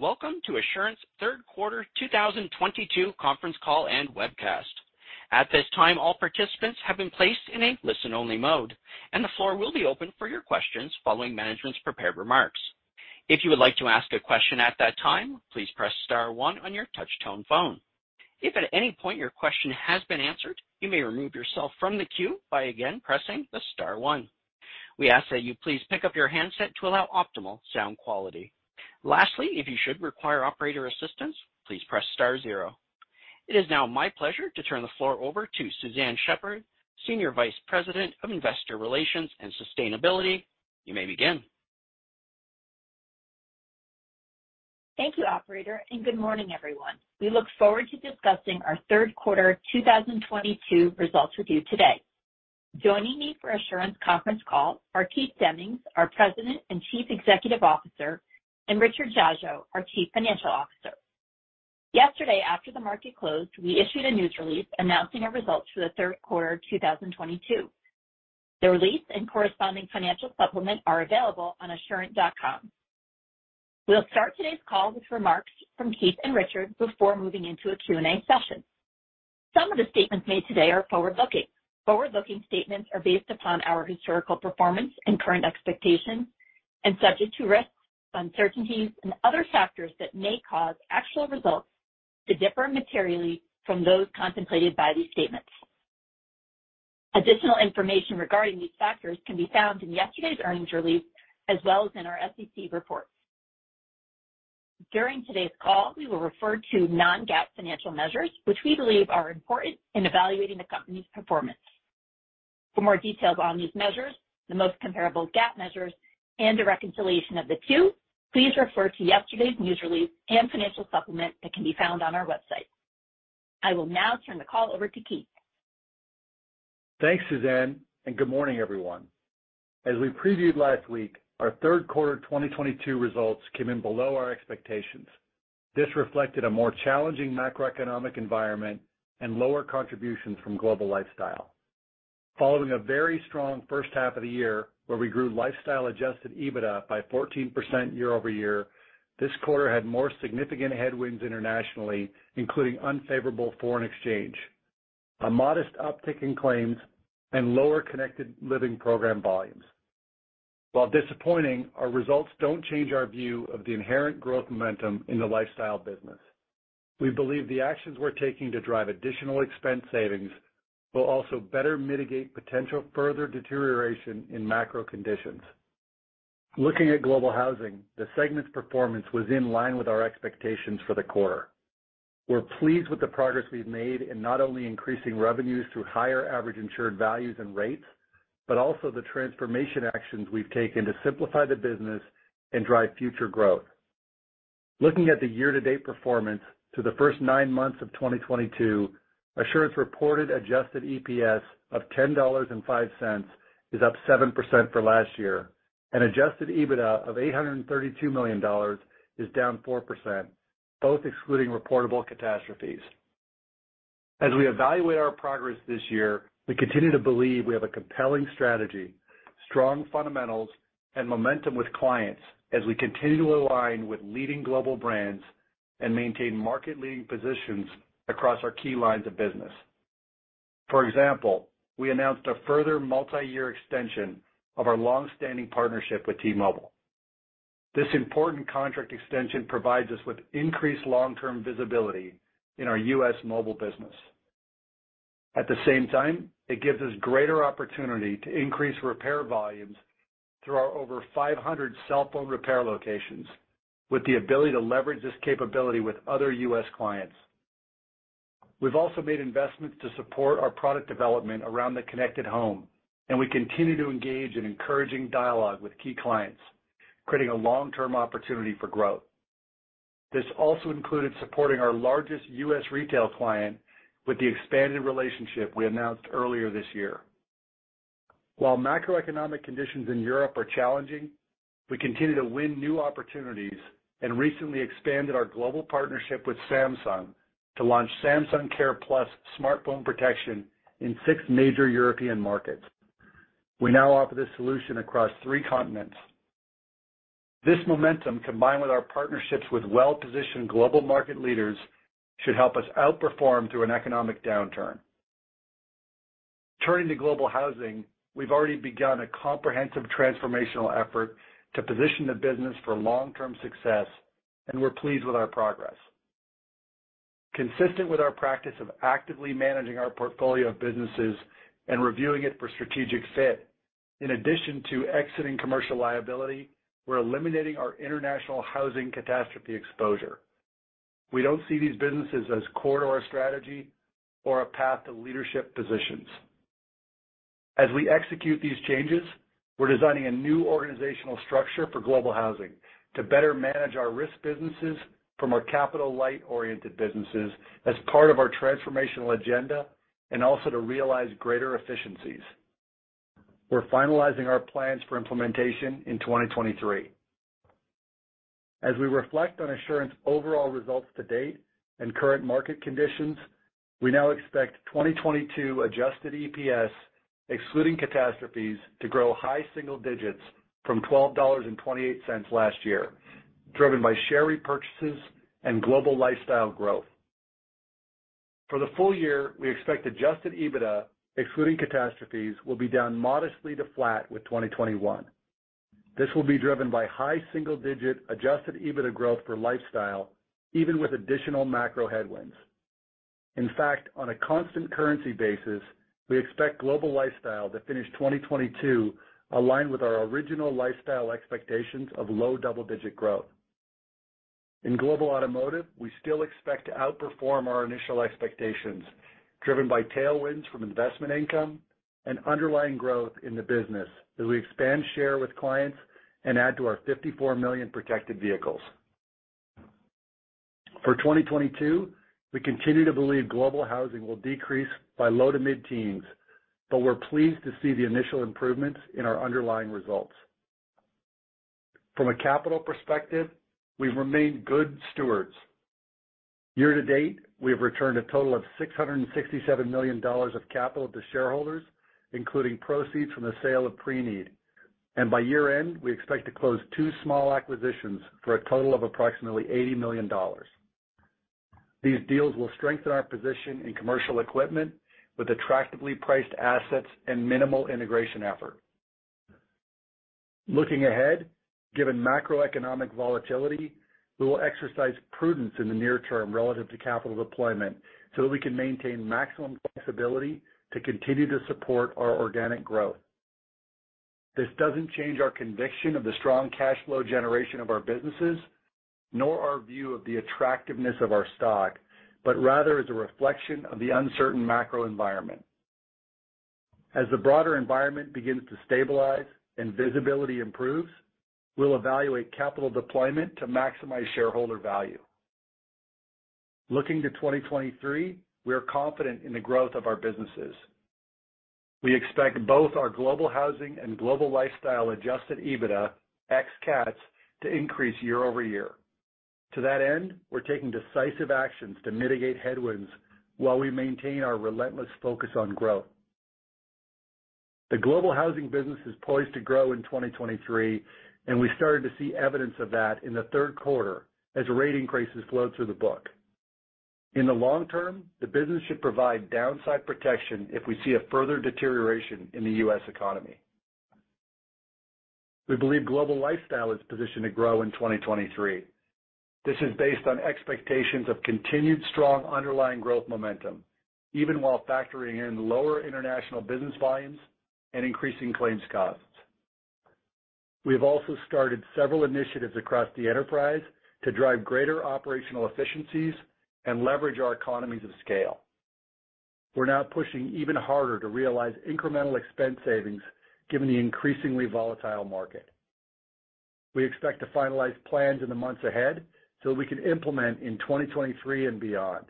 Welcome to Assurant's Q3 2022 Conference Call and Webcast. At this time, all participants have been placed in a listen-only mode, and the floor will be open for your questions following management's prepared remarks. If you would like to ask a question at that time, please press star one on your touch-tone phone. If at any point your question has been answered, you may remove yourself from the queue by again pressing the star one. We ask that you please pick up your handset to allow optimal sound quality. Lastly, if you should require operator assistance, please press star zero. It is now my pleasure to turn the floor over to Suzanne Shepherd, Senior Vice President of Investor Relations and Sustainability. You may begin. Thank you, operator, and good morning, everyone. We look forward to discussing our Q3 2022 results with you today. Joining me for Assurant's conference call are Keith Demmings, our President and Chief Executive Officer, and Richard Dziadzio, our Chief Financial Officer. Yesterday, after the market closed, we issued a news release announcing our results for the Q3 2022. The release and corresponding financial supplement are available on assurant.com. We'll start today's call with remarks from Keith and Richard before moving into a Q&A session. Some of the statements made today are forward-looking. Forward-looking statements are based upon our historical performance and current expectations and subject to risks, uncertainties, and other factors that may cause actual results to differ materially from those contemplated by these statements. Additional information regarding these factors can be found in yesterday's earnings release as well as in our SEC reports. During today's call, we will refer to non-GAAP financial measures, which we believe are important in evaluating the company's performance. For more details on these measures, the most comparable GAAP measures, and a reconciliation of the two, please refer to yesterday's news release and financial supplement that can be found on our website. I will now turn the call over to Keith. Thanks, Suzanne, and good morning, everyone. As we previewed last week, our Q3 2022 results came in below our expectations. This reflected a more challenging macroeconomic environment and lower contributions from Global Lifestyle. Following a very strong first half of the year where we grew Lifestyle Adjusted EBITDA by 14% year-over-year, this quarter had more significant headwinds internationally, including unfavorable foreign exchange, a modest uptick in claims, and lower Connected Living program volumes. While disappointing, our results don't change our view of the inherent growth momentum in the Lifestyle business. We believe the actions we're taking to drive additional expense savings will also better mitigate potential further deterioration in macro conditions. Looking at Global Housing, the segment's performance was in line with our expectations for the quarter. We're pleased with the progress we've made in not only increasing revenues through higher average insured values and rates, but also the transformation actions we've taken to simplify the business and drive future growth. Looking at the year-to-date performance through the first nine months of 2022, Assurant's reported Adjusted EPS of $10.05 is up 7% from last year, and Adjusted EBITDA of $832 million is down 4%, both excluding reportable catastrophes. As we evaluate our progress this year, we continue to believe we have a compelling strategy, strong fundamentals, and momentum with clients as we continue to align with leading global brands and maintain market-leading positions across our key lines of business. For example, we announced a further multi-year extension of our long-standing partnership with T-Mobile. This important contract extension provides us with increased long-term visibility in our U.S. mobile business. At the same time, it gives us greater opportunity to increase repair volumes through our over 500 cell phone repair locations with the ability to leverage this capability with other U.S. clients. We've also made investments to support our product development around the Connected Home, and we continue to engage in encouraging dialogue with key clients, creating a long-term opportunity for growth. This also included supporting our largest U.S. retail client with the expanded relationship we announced earlier this year. While macroeconomic conditions in Europe are challenging, we continue to win new opportunities and recently expanded our global partnership with Samsung to launch Samsung Care+ smartphone protection in 6 major European markets. We now offer this solution across three continents. This momentum, combined with our partnerships with well-positioned global market leaders, should help us outperform through an economic downturn. Turning to Global Housing, we've already begun a comprehensive transformational effort to position the business for long-term success, and we're pleased with our progress. Consistent with our practice of actively managing our portfolio of businesses and reviewing it for strategic fit, in addition to exiting commercial liability, we're eliminating our international housing catastrophe exposure. We don't see these businesses as core to our strategy or a path to leadership positions. As we execute these changes, we're designing a new organizational structure for Global Housing to better manage our risk businesses from our capital-light businesses as part of our transformational agenda and also to realize greater efficiencies. We're finalizing our plans for implementation in 2023. As we reflect on Assurant's overall results to date and current market conditions. We now expect 2022 Adjusted EPS, excluding catastrophes, to grow high single-digit % from $12.28 last year, driven by share repurchases and Global Lifestyle growth. For the full year, we expect Adjusted EBITDA, excluding catastrophes, will be down modestly to flat with 2021. This will be driven by high single-digit % Adjusted EBITDA growth for lifestyle, even with additional macro headwinds. In fact, on a constant currency basis, we expect Global Lifestyle to finish 2022 aligned with our original lifestyle expectations of low double-digit % growth. In Global Automotive, we still expect to outperform our initial expectations, driven by tailwinds from investment income and underlying growth in the business as we expand share with clients and add to our 54 million protected vehicles. For 2022, we continue to believe Global Housing will decrease by low- to mid-teens%, but we're pleased to see the initial improvements in our underlying results. From a capital perspective, we've remained good stewards. Year to date, we have returned a total of $667 million of capital to shareholders, including proceeds from the sale of Preneed. By year-end, we expect to close two small acquisitions for a total of approximately $80 million. These deals will strengthen our position in commercial equipment with attractively priced assets and minimal integration effort. Looking ahead, given macroeconomic volatility, we will exercise prudence in the near term relative to capital deployment so that we can maintain maximum flexibility to continue to support our organic growth. This doesn't change our conviction of the strong cash flow generation of our businesses, nor our view of the attractiveness of our stock, but rather is a reflection of the uncertain macro environment. As the broader environment begins to stabilize and visibility improves, we'll evaluate capital deployment to maximize shareholder value. Looking to 2023, we are confident in the growth of our businesses. We expect both our Global Housing and Global Lifestyle Adjusted EBITDA ex-CATs to increase year-over-year. To that end, we're taking decisive actions to mitigate headwinds while we maintain our relentless focus on growth. The Global Housing business is poised to grow in 2023, and we started to see evidence of that in the Q3 as rate increases flowed through the book. In the long term, the business should provide downside protection if we see a further deterioration in the U.S. economy. We believe Global Lifestyle is positioned to grow in 2023. This is based on expectations of continued strong underlying growth momentum, even while factoring in lower international business volumes and increasing claims costs. We have also started several initiatives across the enterprise to drive greater operational efficiencies and leverage our economies of scale. We're now pushing even harder to realize incremental expense savings given the increasingly volatile market. We expect to finalize plans in the months ahead so we can implement in 2023 and beyond.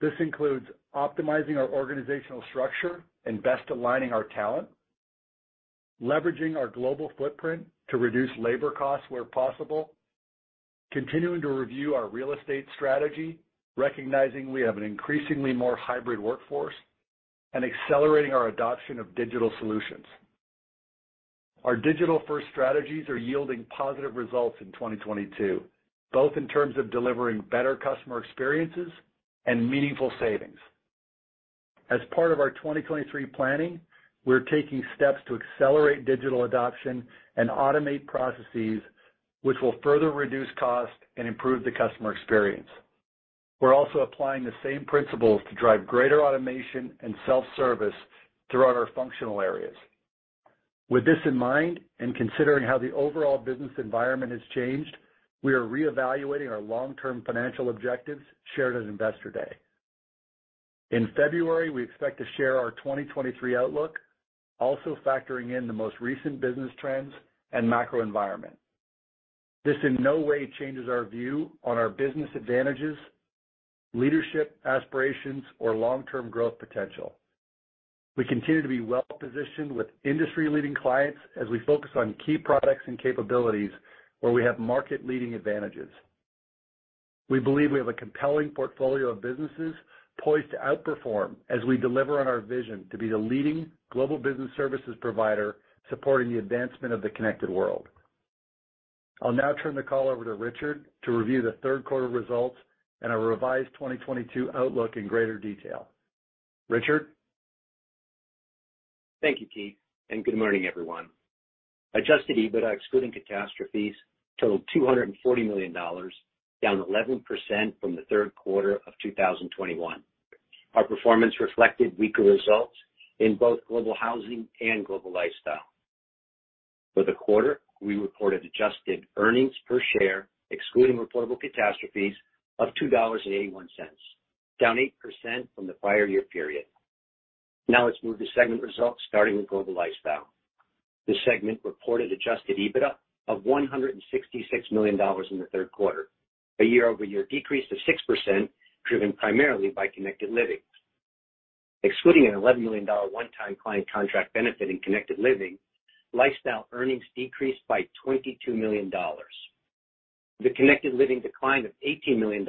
This includes optimizing our organizational structure and best aligning our talent, leveraging our global footprint to reduce labor costs where possible, continuing to review our real estate strategy, recognizing we have an increasingly more hybrid workforce, and accelerating our adoption of digital solutions. Our digital-first strategies are yielding positive results in 2022, both in terms of delivering better customer experiences and meaningful savings. As part of our 2023 planning, we're taking steps to accelerate digital adoption and automate processes which will further reduce cost and improve the customer experience. We're also applying the same principles to drive greater automation and self-service throughout our functional areas. With this in mind, and considering how the overall business environment has changed, we are reevaluating our long-term financial objectives shared at Investor Day. In February, we expect to share our 2023 outlook, also factoring in the most recent business trends and macro environment. This in no way changes our view on our business advantages, leadership aspirations, or long-term growth potential. We continue to be well-positioned with industry-leading clients as we focus on key products and capabilities where we have market-leading advantages. We believe we have a compelling portfolio of businesses poised to outperform as we deliver on our vision to be the leading global business services provider supporting the advancement of the connected world. I'll now turn the call over to Richard to review the Q3 results and our revised 2022 outlook in greater detail. Richard? Thank you, Keith, and good morning, everyone. Adjusted EBITDA excluding catastrophes totaled $240 million, down 11% from the Q3 of 2021. Our performance reflected weaker results in both Global Housing and Global Lifestyle. For the quarter, we reported adjusted earnings per share excluding reportable catastrophes of $2.81, down 8% from the prior year period. Now let's move to segment results, starting with Global Lifestyle. The segment reported adjusted EBITDA of $166 million in the Q3, a year-over-year decrease of 6% driven primarily by Connected Living. Excluding an $11 million one-time client contract benefit in Connected Living, Lifestyle earnings decreased by $22 million. The Connected Living decline of $18 million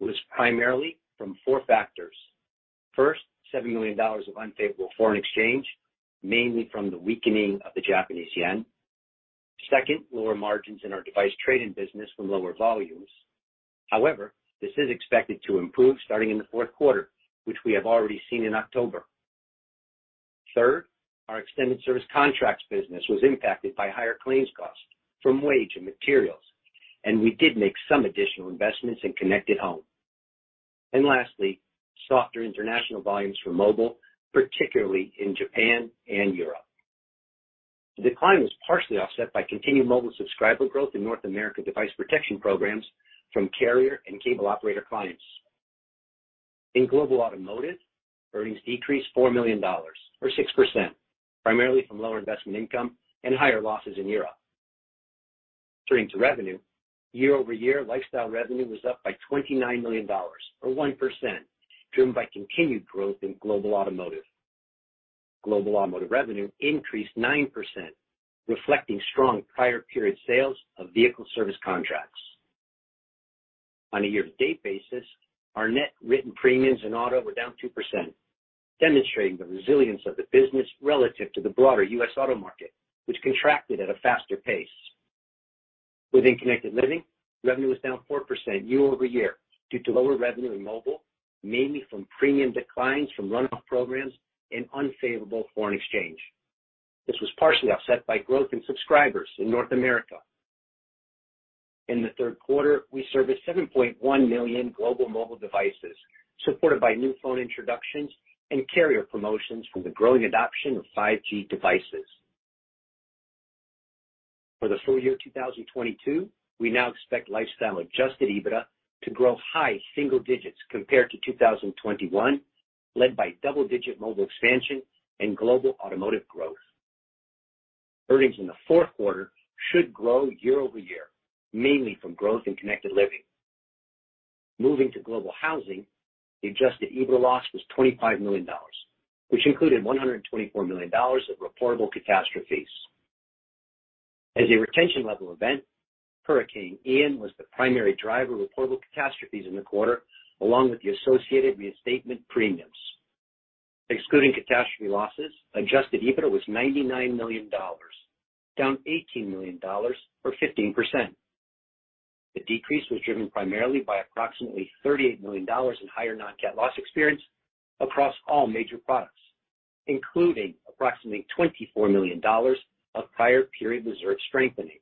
was primarily from four factors. First, $7 million of unfavorable foreign exchange, mainly from the weakening of the Japanese yen. Second, lower margins in our device trading business from lower volumes. However, this is expected to improve starting in the Q4, which we have already seen in October. Third, our extended service contracts business was impacted by higher claims costs from wage and materials, and we did make some additional investments in Connected Home. Lastly, softer international volumes for mobile, particularly in Japan and Europe. The decline was partially offset by continued mobile subscriber growth in North America device protection programs from carrier and cable operator clients. In Global Automotive, earnings decreased $4 million, or 6%, primarily from lower investment income and higher losses in Europe. Turning to revenue, year-over-year Lifestyle revenue was up by $29 million, or 1%, driven by continued growth in Global Automotive. Global Automotive revenue increased 9%, reflecting strong prior period sales of vehicle service contracts. On a year-to-date basis, our net written premiums in auto were down 2%, demonstrating the resilience of the business relative to the broader U.S. auto market, which contracted at a faster pace. Within Connected Living, revenue was down 4% year-over-year due to lower revenue in mobile, mainly from premium declines from run-off programs and unfavorable foreign exchange. This was partially offset by growth in subscribers in North America. In the Q3, we serviced 7.1 million global mobile devices, supported by new phone introductions and carrier promotions from the growing adoption of 5G devices. For the full year 2022, we now expect Lifestyle adjusted EBITDA to grow high single digits compared to 2021, led by double-digit mobile expansion and Global Automotive growth. Earnings in the Q4 should grow year-over-year, mainly from growth in Connected Living. Moving to Global Housing, the Adjusted EBITDA loss was $25 million, which included $124 million of reportable catastrophes. As a retention level event, Hurricane Ian was the primary driver of reportable catastrophes in the quarter, along with the associated reinstatement premiums. Excluding catastrophe losses, Adjusted EBITDA was $99 down 18 million or 15%. The decrease was driven primarily by approximately $38 million in higher non-CAT loss experience across all major products, including approximately $24 million of prior period reserve strengthening.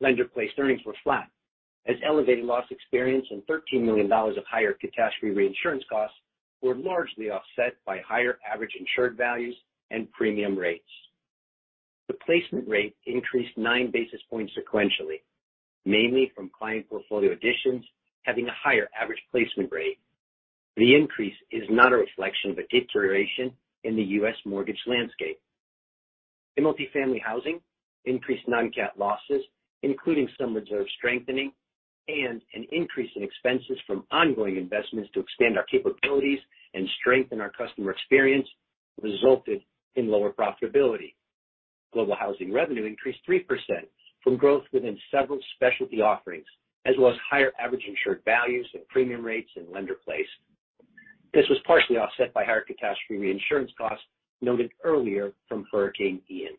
Lender-placed earnings were flat as elevated loss experience and $13 million of higher catastrophe reinsurance costs were largely offset by higher average insured values and premium rates. The placement rate increased nine basis points sequentially, mainly from client portfolio additions having a higher average placement rate. The increase is not a reflection of a deterioration in the U.S. mortgage landscape. In Multifamily Housing, increased non-CAT losses, including some reserve strengthening and an increase in expenses from ongoing investments to expand our capabilities and strengthen our customer experience resulted in lower profitability. Global Housing revenue increased 3% from growth within several specialty offerings, as well as higher average insured values and premium rates in lender-placed. This was partially offset by higher catastrophe reinsurance costs noted earlier from Hurricane Ian.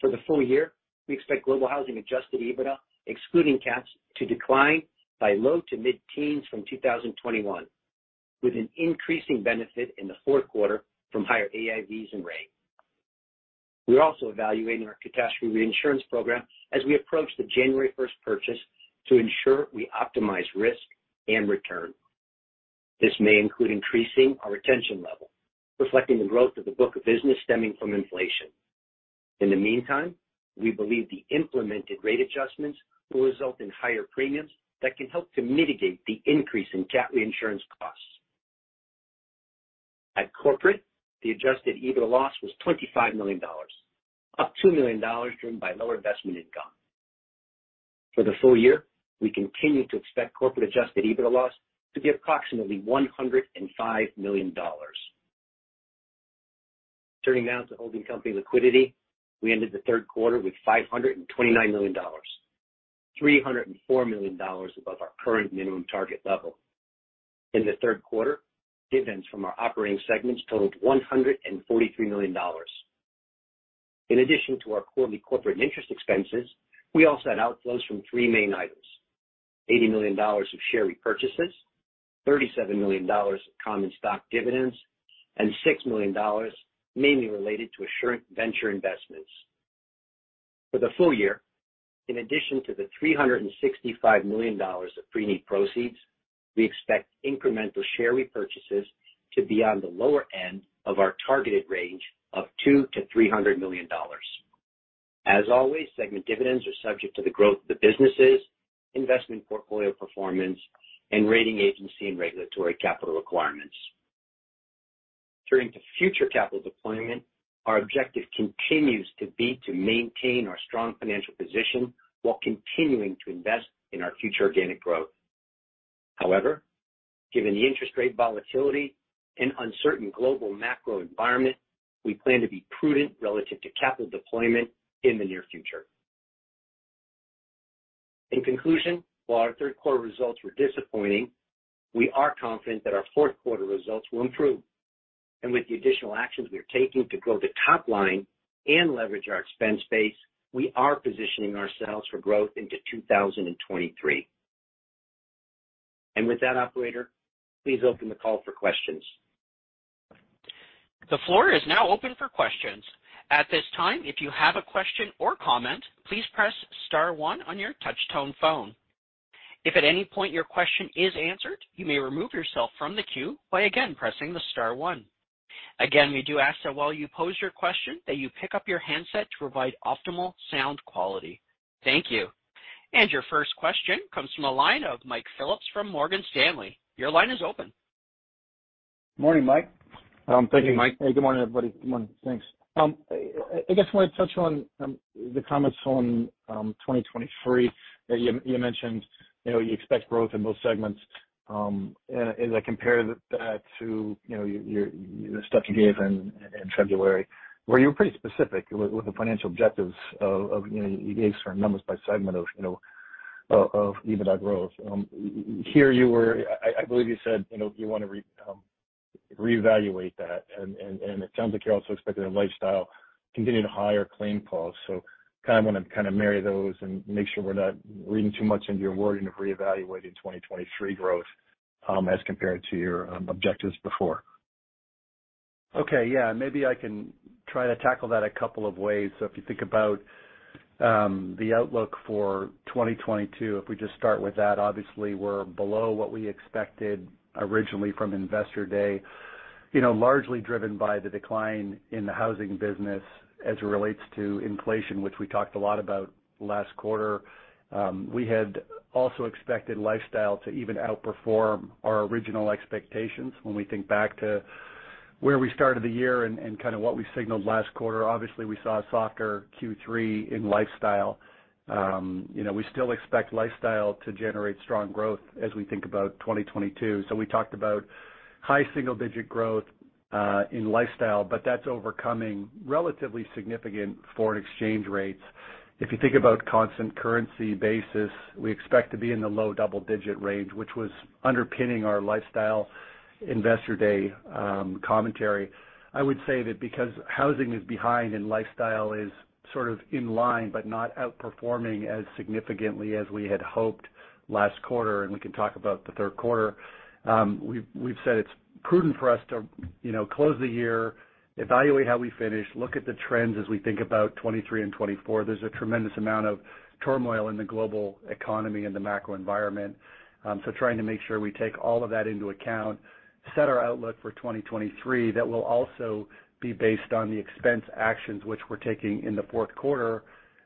For the full year, we expect Global Housing Adjusted EBITDA, excluding cats, to decline by low- to mid-teens% from 2021, with an increasing benefit in the Q4 from higher AIVs and rate. We're also evaluating our catastrophe reinsurance program as we approach the January first purchase to ensure we optimize risk and return. This may include increasing our retention level, reflecting the growth of the book of business stemming from inflation. In the meantime, we believe the implemented rate adjustments will result in higher premiums that can help to mitigate the increase in CAT reinsurance costs. At Corporate, the Adjusted EBITDA loss was $25 million, up $2 million, driven by lower investment income. For the full year, we continue to expect Corporate Adjusted EBITDA loss to be approximately $105 million. Turning now to holding company liquidity. We ended the Q3 with $529 million, $304 million above our current minimum target level. In the Q3, dividends from our operating segments totaled $143 million. In addition to our quarterly corporate interest expenses, we also had outflows from three main items, $80 million of share repurchases, $37 million of common stock dividends, and $6 million mainly related to Assurant venture investments. For the full year, in addition to the $365 million of Preneed proceeds, we expect incremental share repurchases to be on the lower end of our targeted range of $200 to 300 million. As always, segment dividends are subject to the growth of the businesses, investment portfolio performance, and rating agency and regulatory capital requirements. Turning to future capital deployment, our objective continues to be to maintain our strong financial position while continuing to invest in our future organic growth. However, given the interest rate volatility and uncertain global macro environment, we plan to be prudent relative to capital deployment in the near future. In conclusion, while our Q3 results were disappointing, we are confident that our Q4 results will improve. With the additional actions we are taking to grow the top line and leverage our expense base, we are positioning ourselves for growth into 2023. With that, operator, please open the call for questions. The floor is now open for questions. At this time, if you have a question or comment, please press star one on your touch tone phone. If at any point your question is answered, you may remove yourself from the queue by again pressing the star one. Again, we do ask that while you pose your question that you pick up your handset to provide optimal sound quality. Thank you. Your first question comes from a line of Michael Phillips from Morgan Stanley. Your line is open. Morning, Mike. Thank you. Hey, Mike. Hey, good morning, everybody. Good morning. Thanks. I guess I want to touch on the comments on 2023 that you mentioned, you know, you expect growth in both segments. As I compare that to, you know, your the stuff you gave in February, where you were pretty specific with the financial objectives of you know you gave certain numbers by segment of you know of EBITDA growth. Here you were I believe you said, you know, you want to reevaluate that. It sounds like you're also expecting Lifestyle continue to higher claim calls. Kind of want to kind of marry those and make sure we're not reading too much into your wording of reevaluating 2023 growth as compared to your objectives before. Okay, yeah, maybe I can try to tackle that a couple of ways. If you think about the outlook for 2022, if we just start with that, obviously we're below what we expected originally from Investor Day, you know, largely driven by the decline in the housing business as it relates to inflation, which we talked a lot about last quarter. We had also expected Lifestyle to even outperform our original expectations when we think back to where we started the year and kind of what we signaled last quarter. Obviously, we saw a softer Q3 in Lifestyle. You know, we still expect Lifestyle to generate strong growth as we think about 2022. We talked about high single-digit growth in Lifestyle, but that's overcoming relatively significant foreign exchange rates. If you think about constant currency basis, we expect to be in the low double digit range, which was underpinning our Lifestyle Investor Day commentary. I would say that because housing is behind and Lifestyle is sort of in line, but not outperforming as significantly as we had hoped last quarter, and we can talk about the Q3. We've said it's prudent for us to you know close the year, evaluate how we finish, look at the trends as we think about 2023 and 2024. There's a tremendous amount of turmoil in the global economy and the macro environment. Trying to make sure we take all of that into account, set our outlook for 2023 that will also be based on the expense actions which we're taking in the Q4.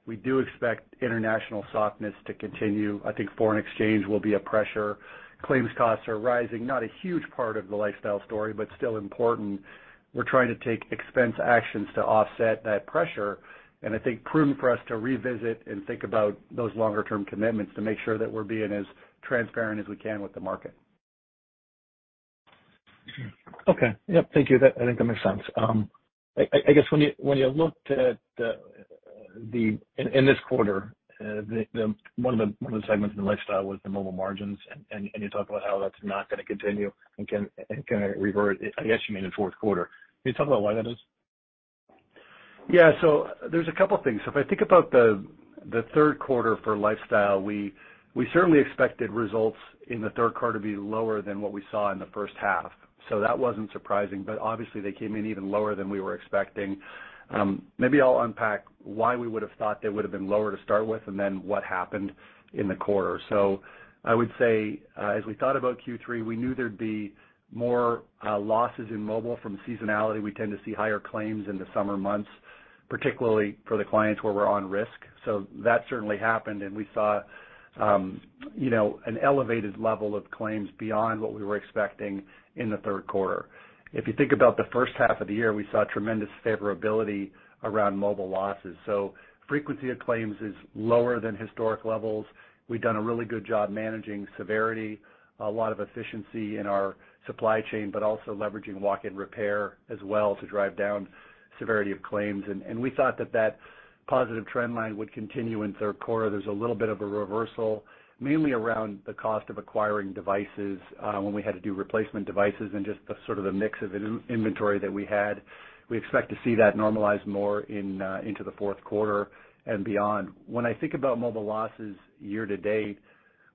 We do expect international softness to continue. I think foreign exchange will be a pressure. Claims costs are rising. Not a huge part of the Lifestyle story, but still important. We're trying to take expense actions to offset that pressure. I think prudent for us to revisit and think about those longer term commitments to make sure that we're being as transparent as we can with the market. Okay. Yep. Thank you. I think that makes sense. I guess when you looked at in this quarter, one of the segments in Lifestyle was the mobile margins, and you talk about how that's not going to continue and kind of revert, I guess you mean in Q4. Can you talk about why that is? Yeah. There's a couple things. If I think about the Q3 for Lifestyle, we certainly expected results in the Q3 to be lower than what we saw in the first half. That wasn't surprising, but obviously they came in even lower than we were expecting. Maybe I'll unpack why we would have thought they would have been lower to start with and then what happened in the quarter. I would say, as we thought about Q3, we knew there'd be more losses in mobile from seasonality. We tend to see higher claims in the summer months, particularly for the clients where we're on risk. That certainly happened. We saw an elevated level of claims beyond what we were expecting in the Q3. If you think about the first half of the year, we saw tremendous favorability around mobile losses. Frequency of claims is lower than historic levels. We've done a really good job managing severity, a lot of efficiency in our supply chain, but also leveraging walk-in repair as well to drive down severity of claims. We thought that positive trend line would continue in Q3. There's a little bit of a reversal, mainly around the cost of acquiring devices, when we had to do replacement devices and just the sort of the mix of in inventory that we had. We expect to see that normalize more into the Q4 and beyond. When I think about mobile losses year to date,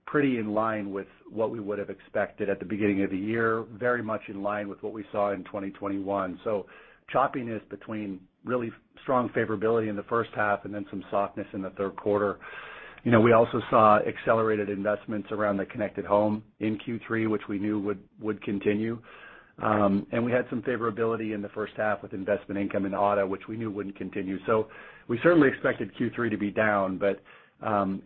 pretty in line with what we would have expected at the beginning of the year, very much in line with what we saw in 2021. Choppiness between really strong favorability in the first half and then some softness in the Q3. you know, we also saw accelerated investments around the Connected Home in Q3, which we knew would continue. We had some favorability in the first half with investment income in auto, which we knew wouldn't continue. We certainly expected Q3 to be down.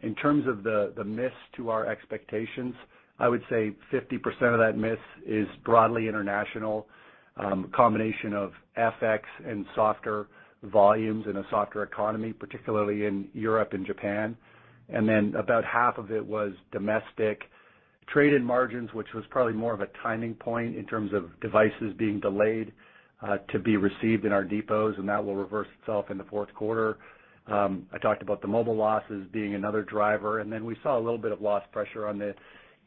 In terms of the miss to our expectations, I would say 50% of that miss is broadly international, combination of FX and softer volumes in a softer economy, particularly in Europe and Japan. About half of it was domestic trade and margins, which was probably more of a timing point in terms of devices being delayed to be received in our depots, and that will reverse itself in the Q4. I talked about the mobile losses being another driver, and then we saw a little bit of loss pressure on the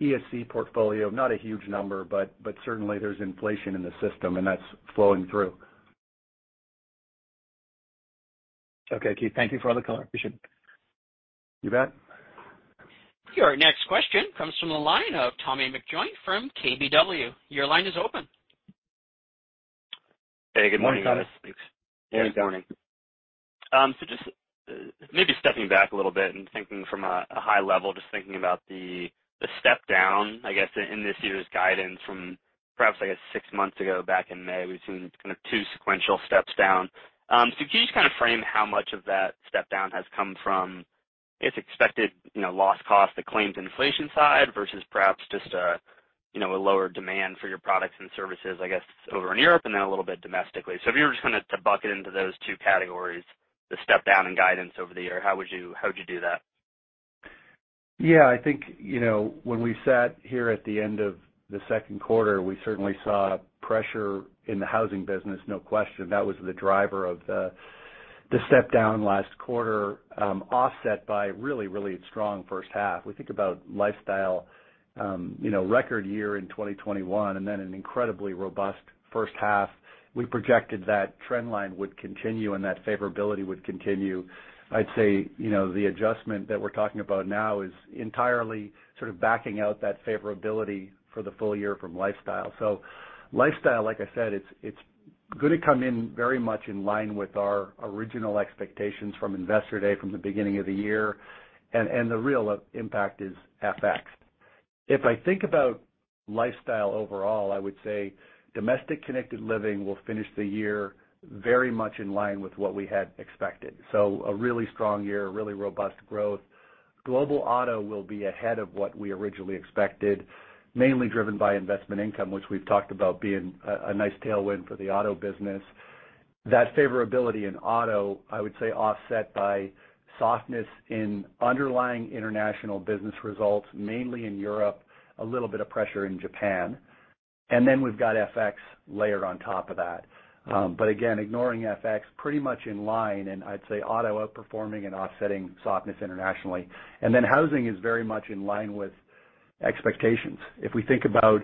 ESC portfolio. Not a huge number, but certainly there's inflation in the system, and that's flowing through. Okay, Keith. Thank you for all the color. Appreciate it. You bet. Your next question comes from the line of Tommy McJoynt from KBW. Your line is open. Hey, good morning, guys. Good morning, Tommy. Yeah, good morning. Just maybe stepping back a little bit and thinking from a high level, just thinking about the step-down, I guess, in this year's guidance from perhaps, I guess, 6 months ago back in May, we've seen kind of 2 sequential steps down. Can you just kinda frame how much of that step-down has come from its expected, you know, loss cost, the claims inflation side, versus perhaps just, you know, a lower demand for your products and services, I guess, over in Europe and then a little bit domestically? If you were just gonna bucket into those 2 categories, the step-down in guidance over the year, how would you do that? Yeah. I think, you know, when we sat here at the end of the Q2, we certainly saw pressure in the housing business, no question. That was the driver of the step-down last quarter, offset by a really, really strong first half. We think about lifestyle, you know, record year in 2021, and then an incredibly robust first half. We projected that trend line would continue and that favorability would continue. I'd say, you know, the adjustment that we're talking about now is entirely sort of backing out that favorability for the full year from lifestyle. Lifestyle, like I said, it's gonna come in very much in line with our original expectations from Investor Day from the beginning of the year, and the real impact is FX. If I think about Lifestyle overall, I would say domestic Connected Living will finish the year very much in line with what we had expected. A really strong year, really robust growth. Global Automotive will be ahead of what we originally expected, mainly driven by investment income, which we've talked about being a nice tailwind for the Automotive business. That favorability in Automotive, I would say, offset by softness in underlying international business results, mainly in Europe, a little bit of pressure in Japan. We've got FX layered on top of that. Again, ignoring FX, pretty much in line, and I'd say Automotive outperforming and offsetting softness internationally. Housing is very much in line with expectations. If we think about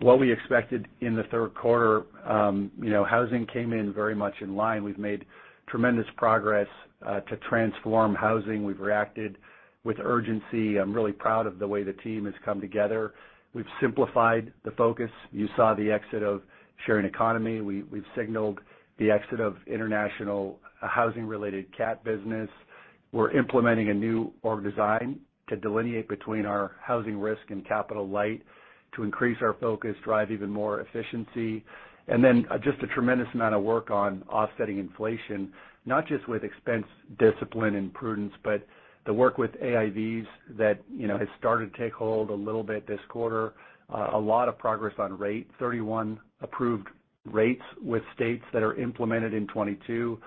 what we expected in the Q3, you know, housing came in very much in line. We've made tremendous progress to transform housing. We've reacted with urgency. I'm really proud of the way the team has come together. We've simplified the focus. You saw the exit of sharing economy. We've signaled the exit of international housing-related CAT business. We're implementing a new org design to delineate between our housing risk and capital light to increase our focus, drive even more efficiency. Just a tremendous amount of work on offsetting inflation, not just with expense discipline and prudence, but the work with AIVs that, you know, has started to take hold a little bit this quarter. A lot of progress on rate. 31 approved rates with states that are implemented in 2022,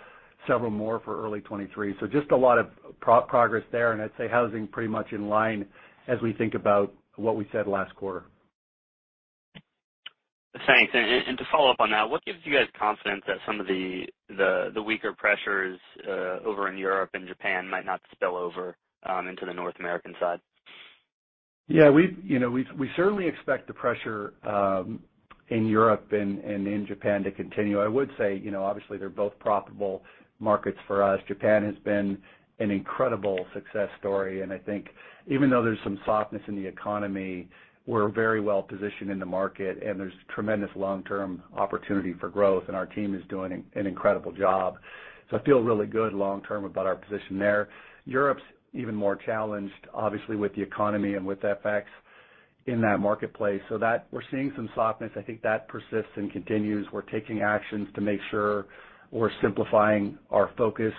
several more for early 2023. Just a lot of progress there, and I'd say housing pretty much in line as we think about what we said last quarter. Thanks. To follow up on that, what gives you guys confidence that some of the weaker pressures over in Europe and Japan might not spill over into the North American side? Yeah. We've, you know, we certainly expect the pressure in Europe and in Japan to continue. I would say, you know, obviously they're both profitable markets for us. Japan has been an incredible success story, and I think even though there's some softness in the economy, we're very well positioned in the market and there's tremendous long-term opportunity for growth, and our team is doing an incredible job. I feel really good long term about our position there. Europe's even more challenged, obviously, with the economy and with FX in that marketplace. That we're seeing some softness. I think that persists and continues. We're taking actions to make sure we're simplifying our focus,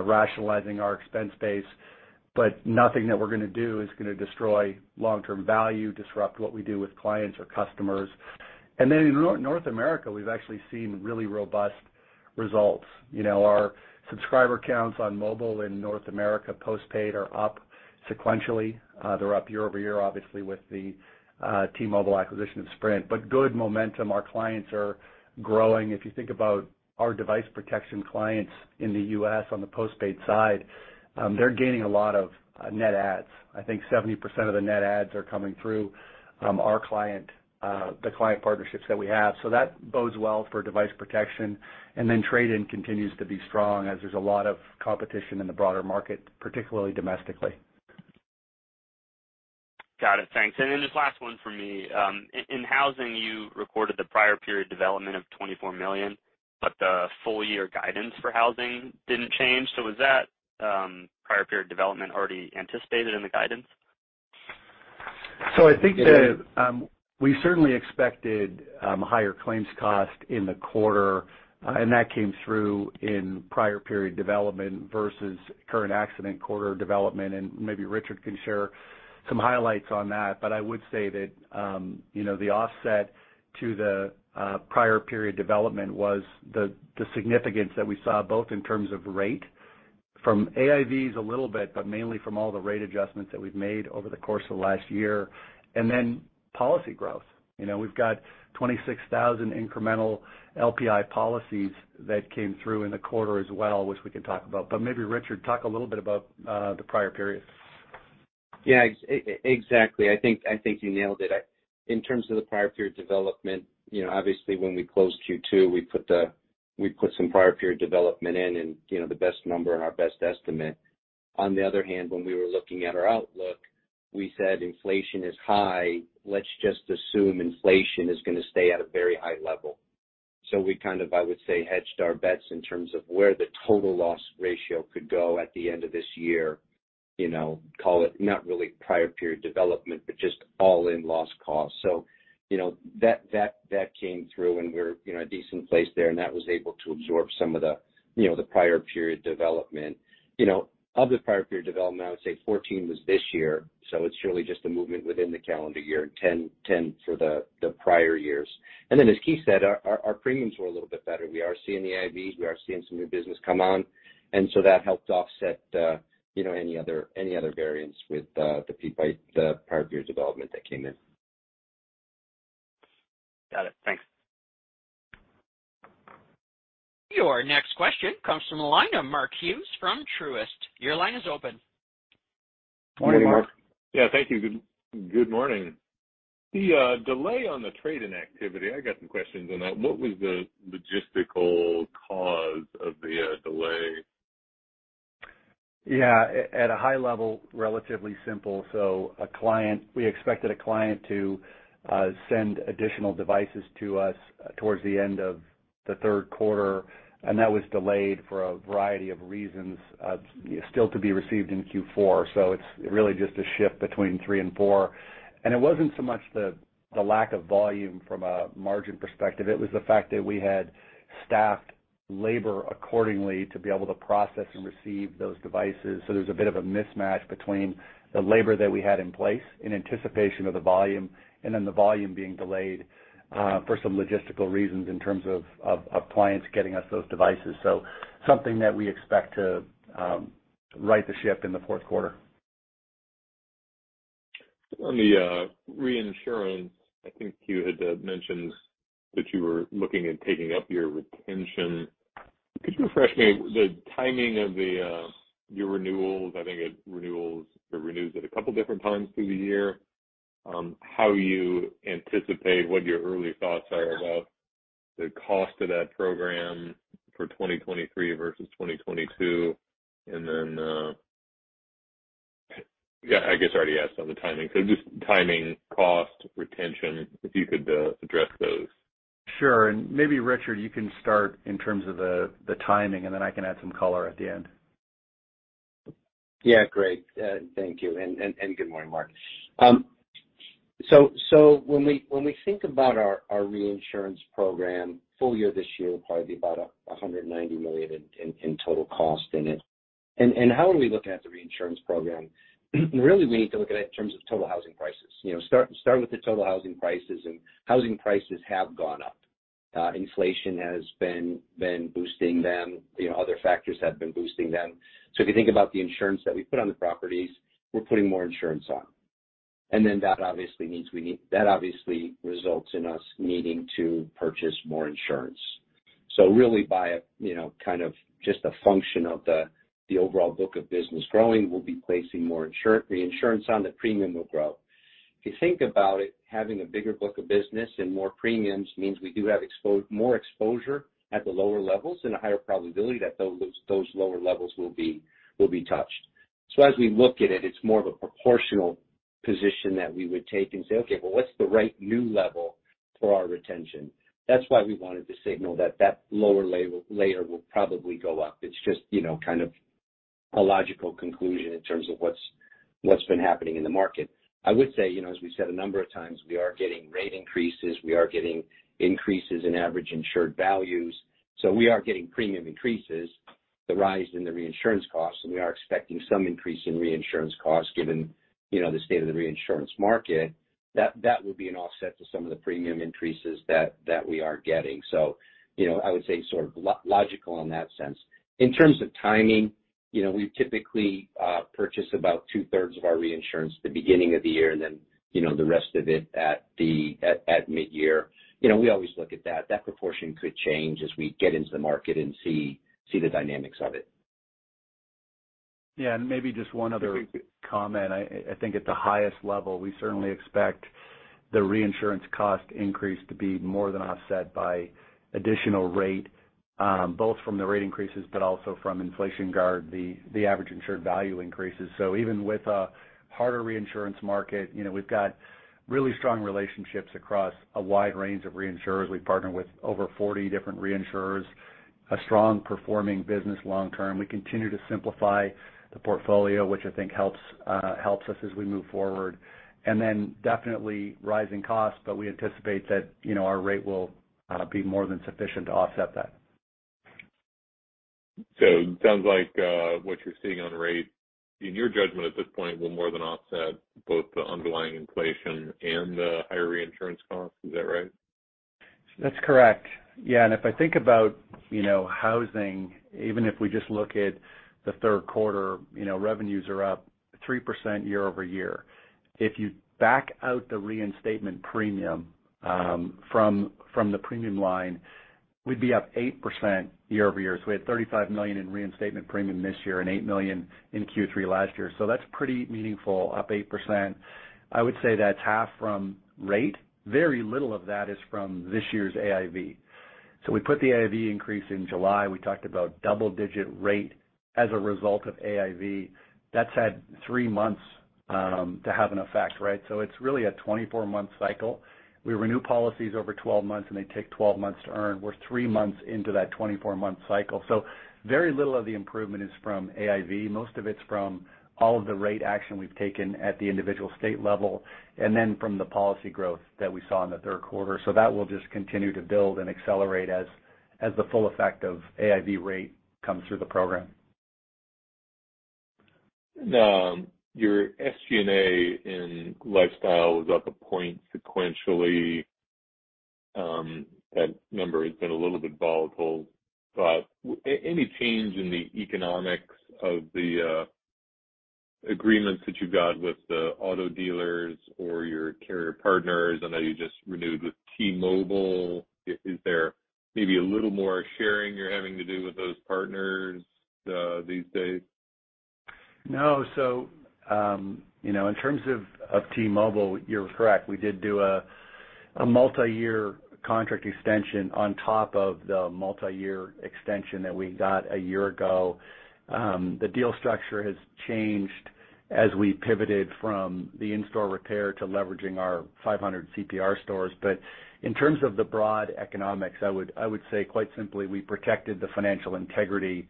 rationalizing our expense base. Nothing that we're gonna do is gonna destroy long-term value, disrupt what we do with clients or customers. In North America, we've actually seen really robust results. You know, our subscriber counts on mobile in North America, postpaid, are up sequentially. They're up year-over-year, obviously, with the T-Mobile acquisition of Sprint. Good momentum. Our clients are growing. If you think about our device protection clients in the U.S. on the postpaid side, they're gaining a lot of net adds. I think 70% of the net adds are coming through our client, the client partnerships that we have. That bodes well for device protection. Trade-in continues to be strong as there's a lot of competition in the broader market, particularly domestically. Got it. Thanks. This last one for me. In Housing, you recorded the prior period development of $24 million, but the full year guidance for Housing didn't change. Was that prior period development already anticipated in the guidance? I think we certainly expected higher claims cost in the quarter, and that came through in prior period development versus current accident quarter development, and maybe Richard can share some highlights on that. I would say that, you know, the offset to the prior period development was the significance that we saw both in terms of rate from AIVs a little bit, but mainly from all the rate adjustments that we've made over the course of last year. Then policy growth. You know, we've got 26,000 incremental LPI policies that came through in the quarter as well, which we can talk about. Maybe Richard, talk a little bit about the prior period. Yeah, exactly. I think you nailed it. In terms of the prior period development, you know, obviously when we closed Q2, we put some prior period development in and, you know, the best number and our best estimate. On the other hand, when we were looking at our outlook, we said inflation is high, let's just assume inflation is gonna stay at a very high level. We kind of, I would say, hedged our bets in terms of where the total loss ratio could go at the end of this year, you know, call it not really prior period development, but just all-in loss cost. You know, that came through and we're, you know, a decent place there, and that was able to absorb some of the, you know, the prior period development. You know, of the prior period development, I would say 14 was this year, so it's really just a movement within the calendar year, 10 for the prior years. Then as Keith said, our premiums were a little bit better. We are seeing the AIVs, we are seeing some new business come on, and so that helped offset, you know, any other variance by the prior period development that came in. Got it. Thanks. Your next question comes from the line of Mark Hughes from Truist. Your line is open. Morning, Mark. Yeah. Thank you. Good morning. The delay on the trade-in activity, I got some questions on that. What was the logistical cause of the delay? Yeah. At a high level, relatively simple. We expected a client to send additional devices to us towards the end of the Q3, and that was delayed for a variety of reasons, still to be received in Q4. It's really just a shift between three and four. It wasn't so much the lack of volume from a margin perspective, it was the fact that we had staffed labor accordingly to be able to process and receive those devices. There's a bit of a mismatch between the labor that we had in place in anticipation of the volume and then the volume being delayed for some logistical reasons in terms of clients getting us those devices. Something that we expect to right the ship in the Q4. On the reinsurance, I think you had mentioned that you were looking at taking up your retention. Could you refresh me on the timing of your renewals? I think it renewals or renews at a couple different times through the year. How you anticipate what your early thoughts are about the cost of that program for 2023 versus 2022. I guess I already asked on the timing. Just timing, cost, retention, if you could address those. Sure. Maybe Richard, you can start in terms of the timing, and then I can add some color at the end. Great. Thank you. Good morning, Mark. When we think about our reinsurance program, full year this year will probably be about $190 million in total cost in it. How are we looking at the reinsurance program? Really, we need to look at it in terms of total housing prices. You know, start with the total housing prices, and housing prices have gone up. Inflation has been boosting them, you know, other factors have been boosting them. If you think about the insurance that we put on the properties, we're putting more insurance on. That obviously results in us needing to purchase more insurance. Really by, you know, kind of just a function of the overall book of business growing, we'll be placing more reinsurance on, the premium will grow. If you think about it, having a bigger book of business and more premiums means we do have more exposure at the lower levels and a higher probability that those lower levels will be touched. So as we look at it's more of a proportional position that we would take and say, okay, well, what's the right new level for our retention? That's why we wanted to signal that lower layer will probably go up. It's just, you know, kind of a logical conclusion in terms of what's been happening in the market. I would say, you know, as we said a number of times, we are getting rate increases, we are getting increases in average insured values, so we are getting premium increases. The rise in the reinsurance costs and we are expecting some increase in reinsurance costs given, you know, the state of the reinsurance market, that would be an offset to some of the premium increases that we are getting. You know, I would say sort of logical in that sense. In terms of timing, you know, we typically purchase about two-thirds of our reinsurance at the beginning of the year and then, you know, the rest of it at mid-year. You know, we always look at that. That proportion could change as we get into the market and see the dynamics of it. Yeah. Maybe just one other comment. I think at the highest level, we certainly expect the reinsurance cost increase to be more than offset by additional rate, both from the rate increases but also from Inflation Guard, the average insured value increases. Even with a harder reinsurance market, you know, we've got really strong relationships across a wide range of reinsurers. We partner with over 40 different reinsurers, a strong performing business long term. We continue to simplify the portfolio, which I think helps us as we move forward. Definitely rising costs, but we anticipate that, you know, our rate will be more than sufficient to offset that. It sounds like, what you're seeing on rate, in your judgment at this point, will more than offset both the underlying inflation and the higher reinsurance costs. Is that right? That's correct. Yeah, if I think about, you know, housing, even if we just look at the Q3, you know, revenues are up 3% year-over-year. If you back out the reinstatement premium from the premium line, we'd be up 8% year-over-year. We had $35 million in reinstatement premium this year and $8 million in Q3 last year. That's pretty meaningful, up 8%. I would say that's half from rate. Very little of that is from this year's AIV. We put the AIV increase in July. We talked about double-digit rate as a result of AIV. That's had 3 months to have an effect, right? It's really a 24-month cycle. We renew policies over 12 months, and they take 12 months to earn. We're 3 months into that 24-month cycle. Very little of the improvement is from AIV. Most of it's from all of the rate action we've taken at the individual state level and then from the policy growth that we saw in the Q3. That will just continue to build and accelerate as the full effect of AIV rate comes through the program. Your SG&A in lifestyle was up a point sequentially. That number has been a little bit volatile. Any change in the economics of the agreements that you've got with the auto dealers or your carrier partners? I know you just renewed with T-Mobile. Is there maybe a little more sharing you're having to do with those partners these days? No. You know, in terms of T-Mobile, you're correct. We did do a multiyear contract extension on top of the multiyear extension that we got a year ago. The deal structure has changed as we pivoted from the in-store repair to leveraging our 500 CPR stores. In terms of the broad economics, I would say quite simply, we protected the financial integrity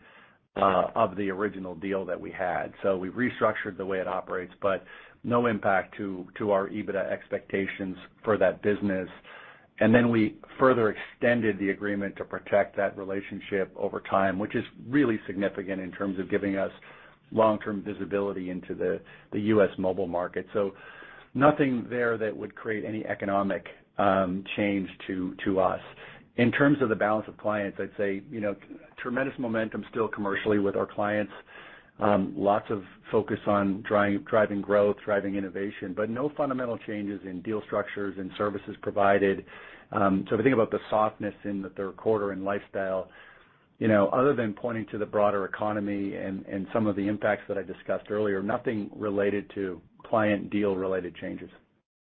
of the original deal that we had. We restructured the way it operates, but no impact to our EBITDA expectations for that business. We further extended the agreement to protect that relationship over time, which is really significant in terms of giving us long-term visibility into the U.S. mobile market. Nothing there that would create any economic change to us. In terms of the balance of clients, I'd say, you know, tremendous momentum still commercially with our clients. Lots of focus on driving growth, driving innovation, but no fundamental changes in deal structures and services provided. If you think about the softness in the Q3 in lifestyle, you know, other than pointing to the broader economy and some of the impacts that I discussed earlier, nothing related to client deal related changes.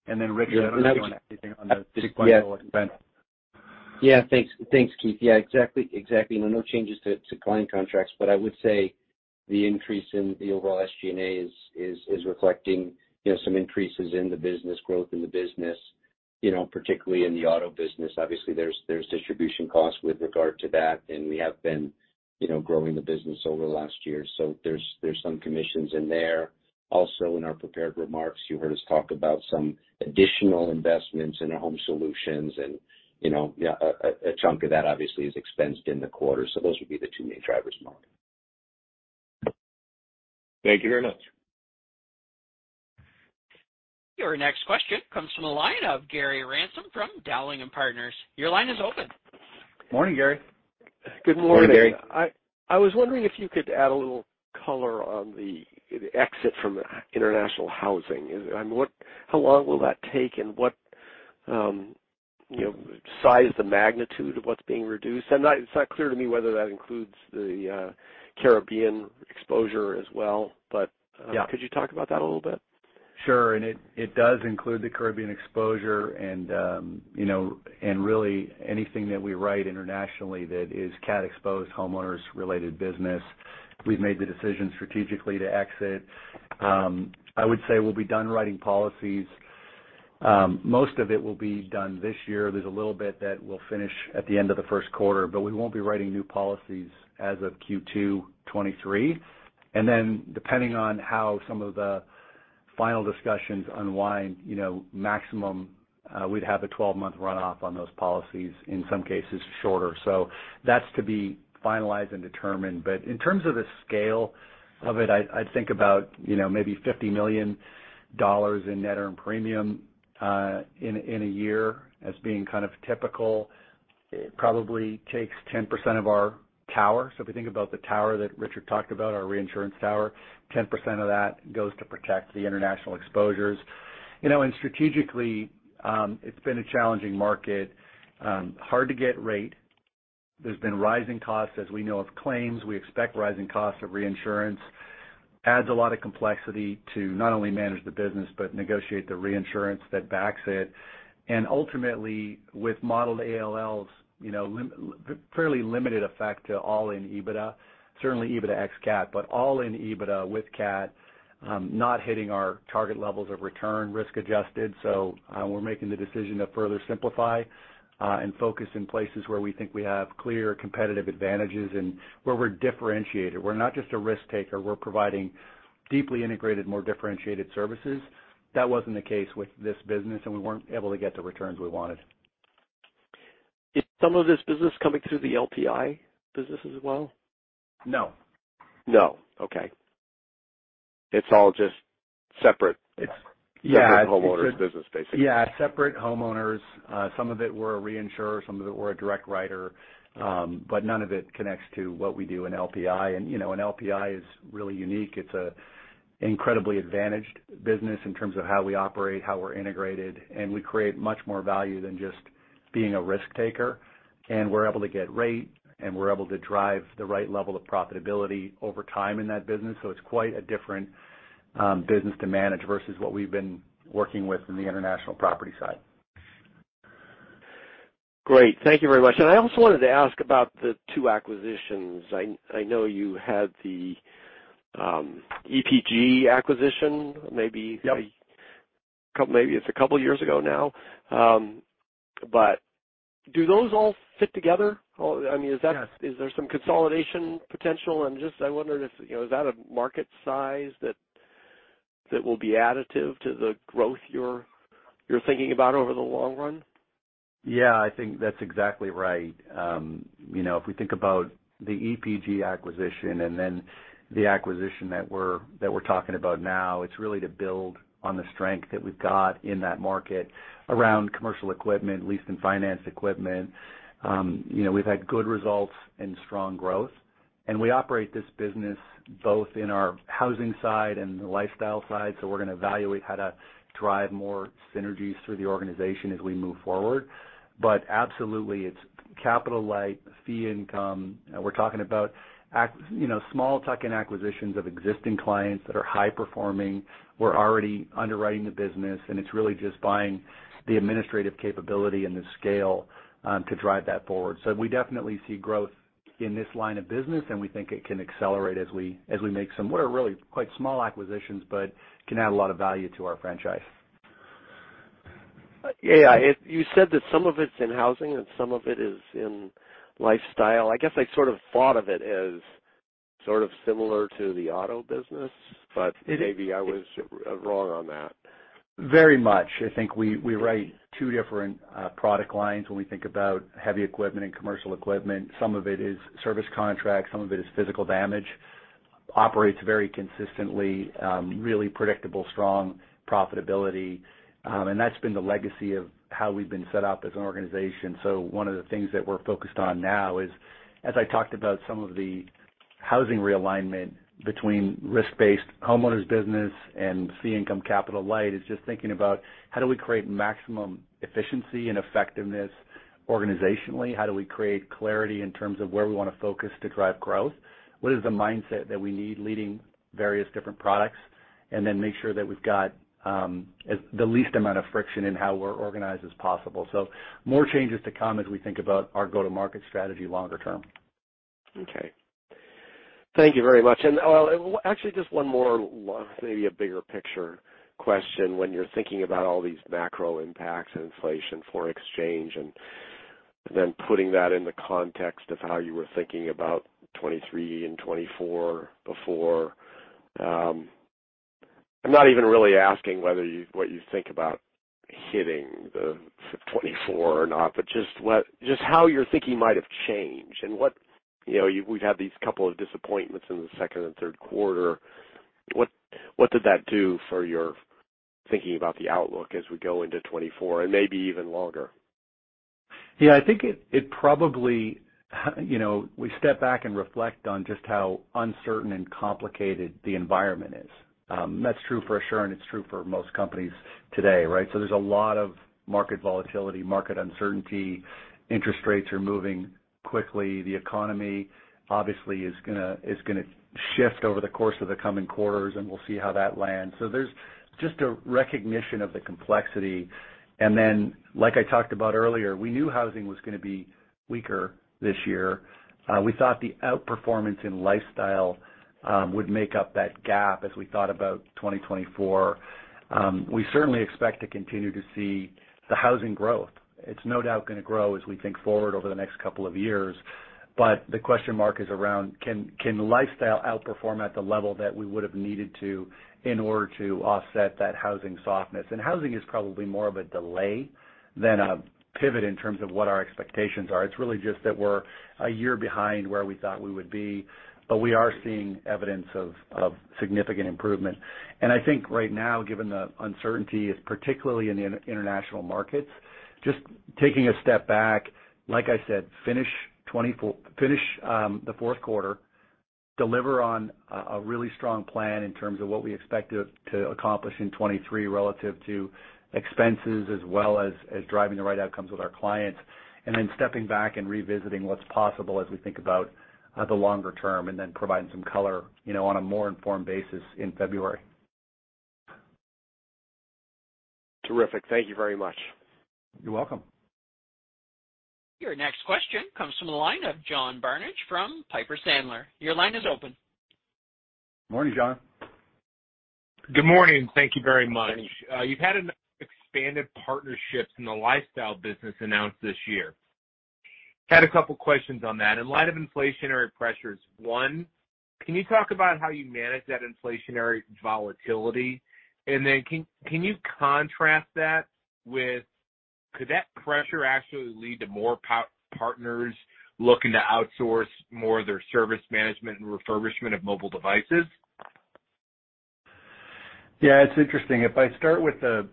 Richard, I don't know anything on the 6-point expense. Yeah. Thanks, Keith. Yeah, exactly. No changes to client contracts, but I would say the increase in the overall SG&A is reflecting, you know, some increases in the business growth in the business, you know, particularly in the auto business. Obviously, there's distribution costs with regard to that, and we have been, you know, growing the business over the last year. So there's some commissions in there. Also, in our prepared remarks, you heard us talk about some additional investments in our home solutions and, you know, a chunk of that obviously is expensed in the quarter. So those would be the two main drivers, Mark. Thank you very much. Your next question comes from the line of Gary Ransom from Dowling & Partners. Your line is open. Morning, Gary. Good morning. Morning, Gary. I was wondering if you could add a little color on the exit from international housing. How long will that take, and what is the magnitude of what's being reduced? It's not clear to me whether that includes the Caribbean exposure as well. Yeah. Could you talk about that a little bit? Sure. It does include the Caribbean exposure and, you know, and really anything that we write internationally that is CAT-exposed homeowners-related business. We've made the decision strategically to exit. I would say we'll be done writing policies. Most of it will be done this year. There's a little bit that we'll finish at the end of the Q1, but we won't be writing new policies as of Q2 2023. Then depending on how some of the final discussions unwind, you know, maximum, we'd have a 12-month run off on those policies, in some cases shorter. That's to be finalized and determined. In terms of the scale of it, I'd think about, you know, maybe $50 million in net earned premium, in a year as being kind of typical. It probably takes 10% of our tower. If you think about the tower that Richard talked about, our reinsurance tower, 10% of that goes to protect the international exposures. You know, strategically, it's been a challenging market, hard to get rate. There's been rising costs, as we know, of claims. We expect rising costs of reinsurance. Adds a lot of complexity to not only manage the business, but negotiate the reinsurance that backs it. Ultimately, with modeled AALs, you know, fairly limited effect to all-in EBITDA, certainly EBITDA ex-CAT, but all-in EBITDA with CAT, not hitting our target levels of return risk-adjusted. We're making the decision to further simplify, and focus in places where we think we have clear competitive advantages and where we're differentiated. We're not just a risk-taker. We're providing deeply integrated, more differentiated services. That wasn't the case with this business, and we weren't able to get the returns we wanted. Is some of this business coming through the LPI business as well? No. No. Okay. It's all just separate. Yeah. Separate homeowners business, basically. Yeah, separate homeowners. Some of it we're a reinsurer, some of it we're a direct writer, but none of it connects to what we do in LPI. You know, LPI is really unique. It's an incredibly advantaged business in terms of how we operate, how we're integrated, and we create much more value than just being a risk-taker. We're able to get rate, and we're able to drive the right level of profitability over time in that business. It's quite a different business to manage versus what we've been working with in the international property side. Great. Thank you very much. I also wanted to ask about the two acquisitions. I know you had the EPG acquisition, maybe Yep. A couple, maybe it's a couple years ago now. Do those all fit together? I mean, is there some consolidation potential? Just I wondered if, you know, is that a market size that will be additive to the growth you're thinking about over the long run? Yeah, I think that's exactly right. You know, if we think about the EPG acquisition and then the acquisition that we're talking about now, it's really to build on the strength that we've got in that market around commercial equipment, leased and financed equipment. You know, we've had good results and strong growth, and we operate this business both in our housing side and the lifestyle side, so we're gonna evaluate how to drive more synergies through the organization as we move forward. Absolutely, it's capital light, fee income. We're talking about you know, small tuck-in acquisitions of existing clients that are high performing. We're already underwriting the business, and it's really just buying the administrative capability and the scale to drive that forward. We definitely see growth in this line of business, and we think it can accelerate as we make somewhat small acquisitions but can add a lot of value to our franchise. Yeah. You said that some of it's in housing and some of it is in lifestyle. I guess I sort of thought of it as sort of similar to the auto business, but maybe I was wrong on that. Very much. I think we write two different product lines when we think about heavy equipment and commercial equipment. Some of it is service contracts, some of it is physical damage. Operates very consistently, really predictable, strong profitability. That's been the legacy of how we've been set up as an organization. One of the things that we're focused on now is, as I talked about some of the housing realignment between risk-based homeowners business and fee income capital light, just thinking about how do we create maximum efficiency and effectiveness organizationally. How do we create clarity in terms of where we wanna focus to drive growth? What is the mindset that we need leading various different products? Then make sure that we've got the least amount of friction in how we're organized as possible. More changes to come as we think about our go-to-market strategy longer term. Okay. Thank you very much. Well, actually just one more, maybe a bigger picture question. When you're thinking about all these macro impacts, inflation, foreign exchange, and then putting that in the context of how you were thinking about 2023 and 2024 before, I'm not even really asking what you think about hitting 2024 or not, but just how your thinking might have changed. You know, we've had these couple of disappointments in the second and Q3. What did that do for your thinking about the outlook as we go into 2024 and maybe even longer? Yeah, I think it probably, you know, we step back and reflect on just how uncertain and complicated the environment is. That's true for Assurant, it's true for most companies today, right? There's a lot of market volatility, market uncertainty. Interest rates are moving quickly. The economy obviously is gonna shift over the course of the coming quarters, and we'll see how that lands. There's just a recognition of the complexity. Like I talked about earlier, we knew housing was gonna be weaker this year. We thought the outperformance in lifestyle would make up that gap as we thought about 2024. We certainly expect to continue to see the housing growth. It's no doubt gonna grow as we think forward over the next couple of years. The question mark is around can lifestyle outperform at the level that we would've needed to in order to offset that housing softness? Housing is probably more of a delay than a pivot in terms of what our expectations are. It's really just that we're a year behind where we thought we would be, but we are seeing evidence of significant improvement. I think right now, given the uncertainty, particularly in the international markets, just taking a step back, like I said, finish the Q4. deliver on a really strong plan in terms of what we expect to accomplish in 2023 relative to expenses as well as driving the right outcomes with our clients, and then stepping back and revisiting what's possible as we think about the longer term, and then providing some color, you know, on a more informed basis in February. Terrific. Thank you very much. You're welcome. Your next question comes from the line of John Barnidge from Piper Sandler. Your line is open. Morning, John. Good morning. Thank you very much. You've had expanded partnerships in the lifestyle business announced this year. Had a couple questions on that. In light of inflationary pressures, one, can you talk about how you manage that inflationary volatility? Then can you contrast that with, could that pressure actually lead to more partners looking to outsource more of their service management and refurbishment of mobile devices? Yeah, it's interesting. If I start with the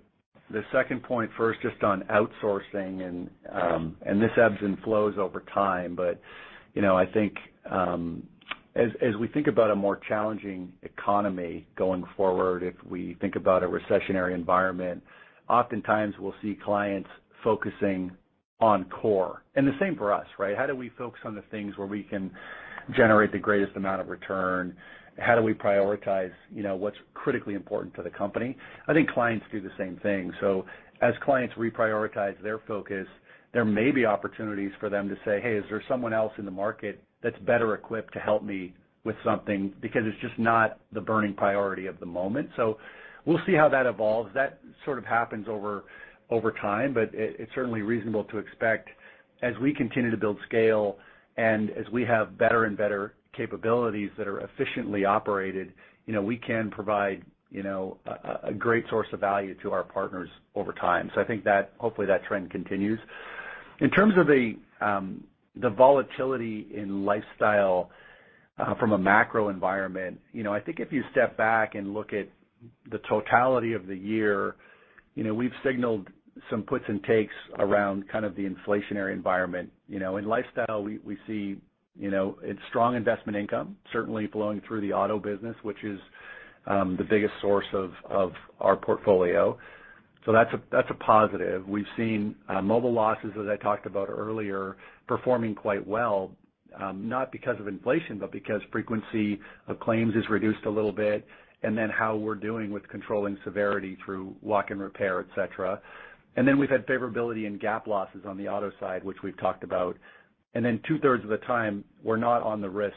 second point first just on outsourcing and this ebbs and flows over time, but you know, I think as we think about a more challenging economy going forward, if we think about a recessionary environment, oftentimes we'll see clients focusing on core. The same for us, right? How do we focus on the things where we can generate the greatest amount of return? How do we prioritize you know, what's critically important to the company? I think clients do the same thing. As clients reprioritize their focus, there may be opportunities for them to say, "Hey, is there someone else in the market that's better equipped to help me with something because it's just not the burning priority of the moment." We'll see how that evolves. That sort of happens over time, but it's certainly reasonable to expect as we continue to build scale and as we have better and better capabilities that are efficiently operated, you know, we can provide, you know, a great source of value to our partners over time. I think that, hopefully, that trend continues. In terms of the volatility in lifestyle from a macro environment, you know, I think if you step back and look at the totality of the year, you know, we've signaled some puts and takes around kind of the inflationary environment. You know, in lifestyle we see, you know, it's strong investment income certainly flowing through the auto business, which is the biggest source of our portfolio. That's a positive. We've seen mobile losses, as I talked about earlier, performing quite well, not because of inflation, but because frequency of claims is reduced a little bit, and then how we're doing with controlling severity through walk and repair, et cetera. We've had favorability in GAP losses on the auto side, which we've talked about. Two-thirds of the time, we're not on the risk,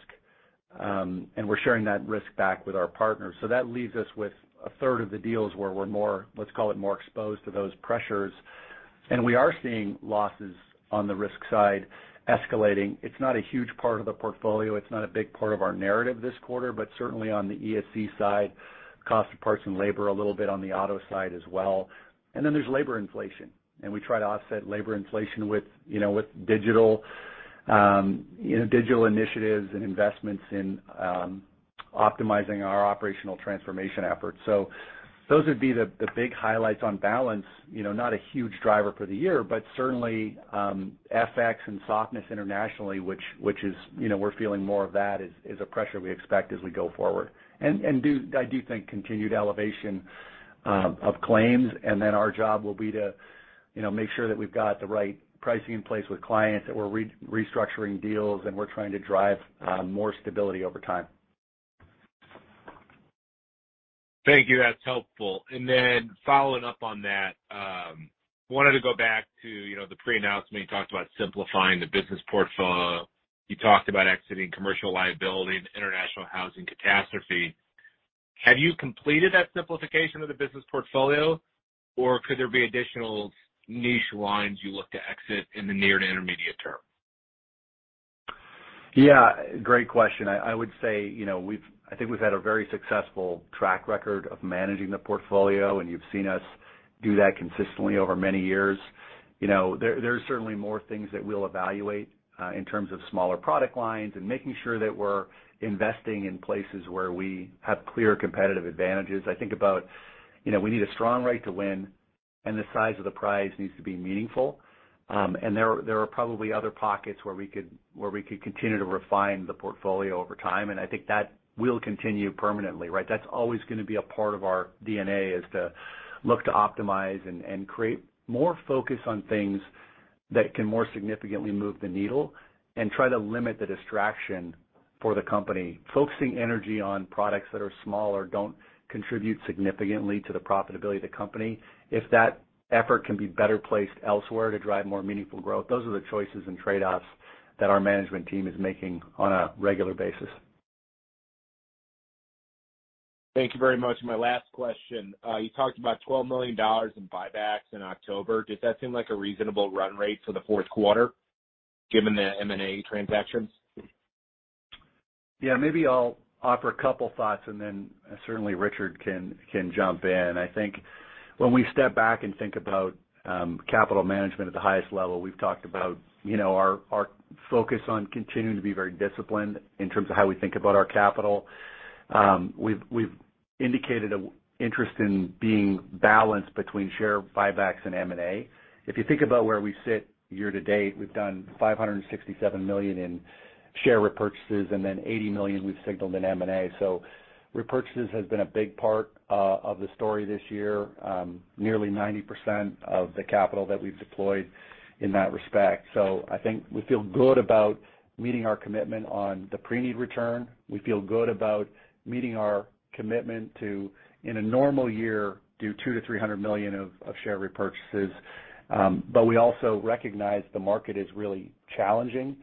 and we're sharing that risk back with our partners. That leaves us with a third of the deals where we're more, let's call it, more exposed to those pressures. We are seeing losses on the risk side escalating. It's not a huge part of the portfolio. It's not a big part of our narrative this quarter, but certainly on the ESC side, cost of parts and labor a little bit on the auto side as well. There's labor inflation, and we try to offset labor inflation with, you know, with digital, you know, digital initiatives and investments in optimizing our operational transformation efforts. Those would be the big highlights on balance. You know, it's not a huge driver for the year, but certainly FX and softness internationally, which is, you know, we're feeling more of that is a pressure we expect as we go forward. I do think continued elevation of claims, and then our job will be to, you know, make sure that we've got the right pricing in place with clients, that we're restructuring deals, and we're trying to drive more stability over time. Thank you. That's helpful. Then following up on that, wanted to go back to, you know, the pre-announcement. You talked about simplifying the business portfolio. You talked about exiting commercial liability and international housing catastrophe. Have you completed that simplification of the business portfolio, or could there be additional niche lines you look to exit in the near to intermediate term? Yeah, great question. I would say, you know, I think we've had a very successful track record of managing the portfolio, and you've seen us do that consistently over many years. You know, there's certainly more things that we'll evaluate in terms of smaller product lines and making sure that we're investing in places where we have clear competitive advantages. I think about, you know, we need a strong right to win, and the size of the prize needs to be meaningful. There are probably other pockets where we could continue to refine the portfolio over time. I think that will continue permanently, right? That's always gonna be a part of our DNA, is to look to optimize and create more focus on things that can more significantly move the needle and try to limit the distraction for the company. Focusing energy on products that are small or don't contribute significantly to the profitability of the company, if that effort can be better placed elsewhere to drive more meaningful growth, those are the choices and trade-offs that our management team is making on a regular basis. Thank you very much. My last question. You talked about $12 million in buybacks in October. Does that seem like a reasonable run rate for the Q4 given the M&A transactions? Yeah, maybe I'll offer a couple thoughts, and then certainly Richard can jump in. I think when we step back and think about capital management at the highest level, we've talked about, you know, our focus on continuing to be very disciplined in terms of how we think about our capital. We've indicated an interest in being balanced between share buybacks and M&A. If you think about where we sit year to date, we've done $567 million in share repurchases and then $80 million we've signaled in M&A. Repurchases has been a big part of the story this year, nearly 90% of the capital that we've deployed in that respect. I think we feel good about meeting our commitment on the Preneed return. We feel good about meeting our commitment to, in a normal year, do $200 to 300 million of share repurchases. But we also recognize the market is really challenging.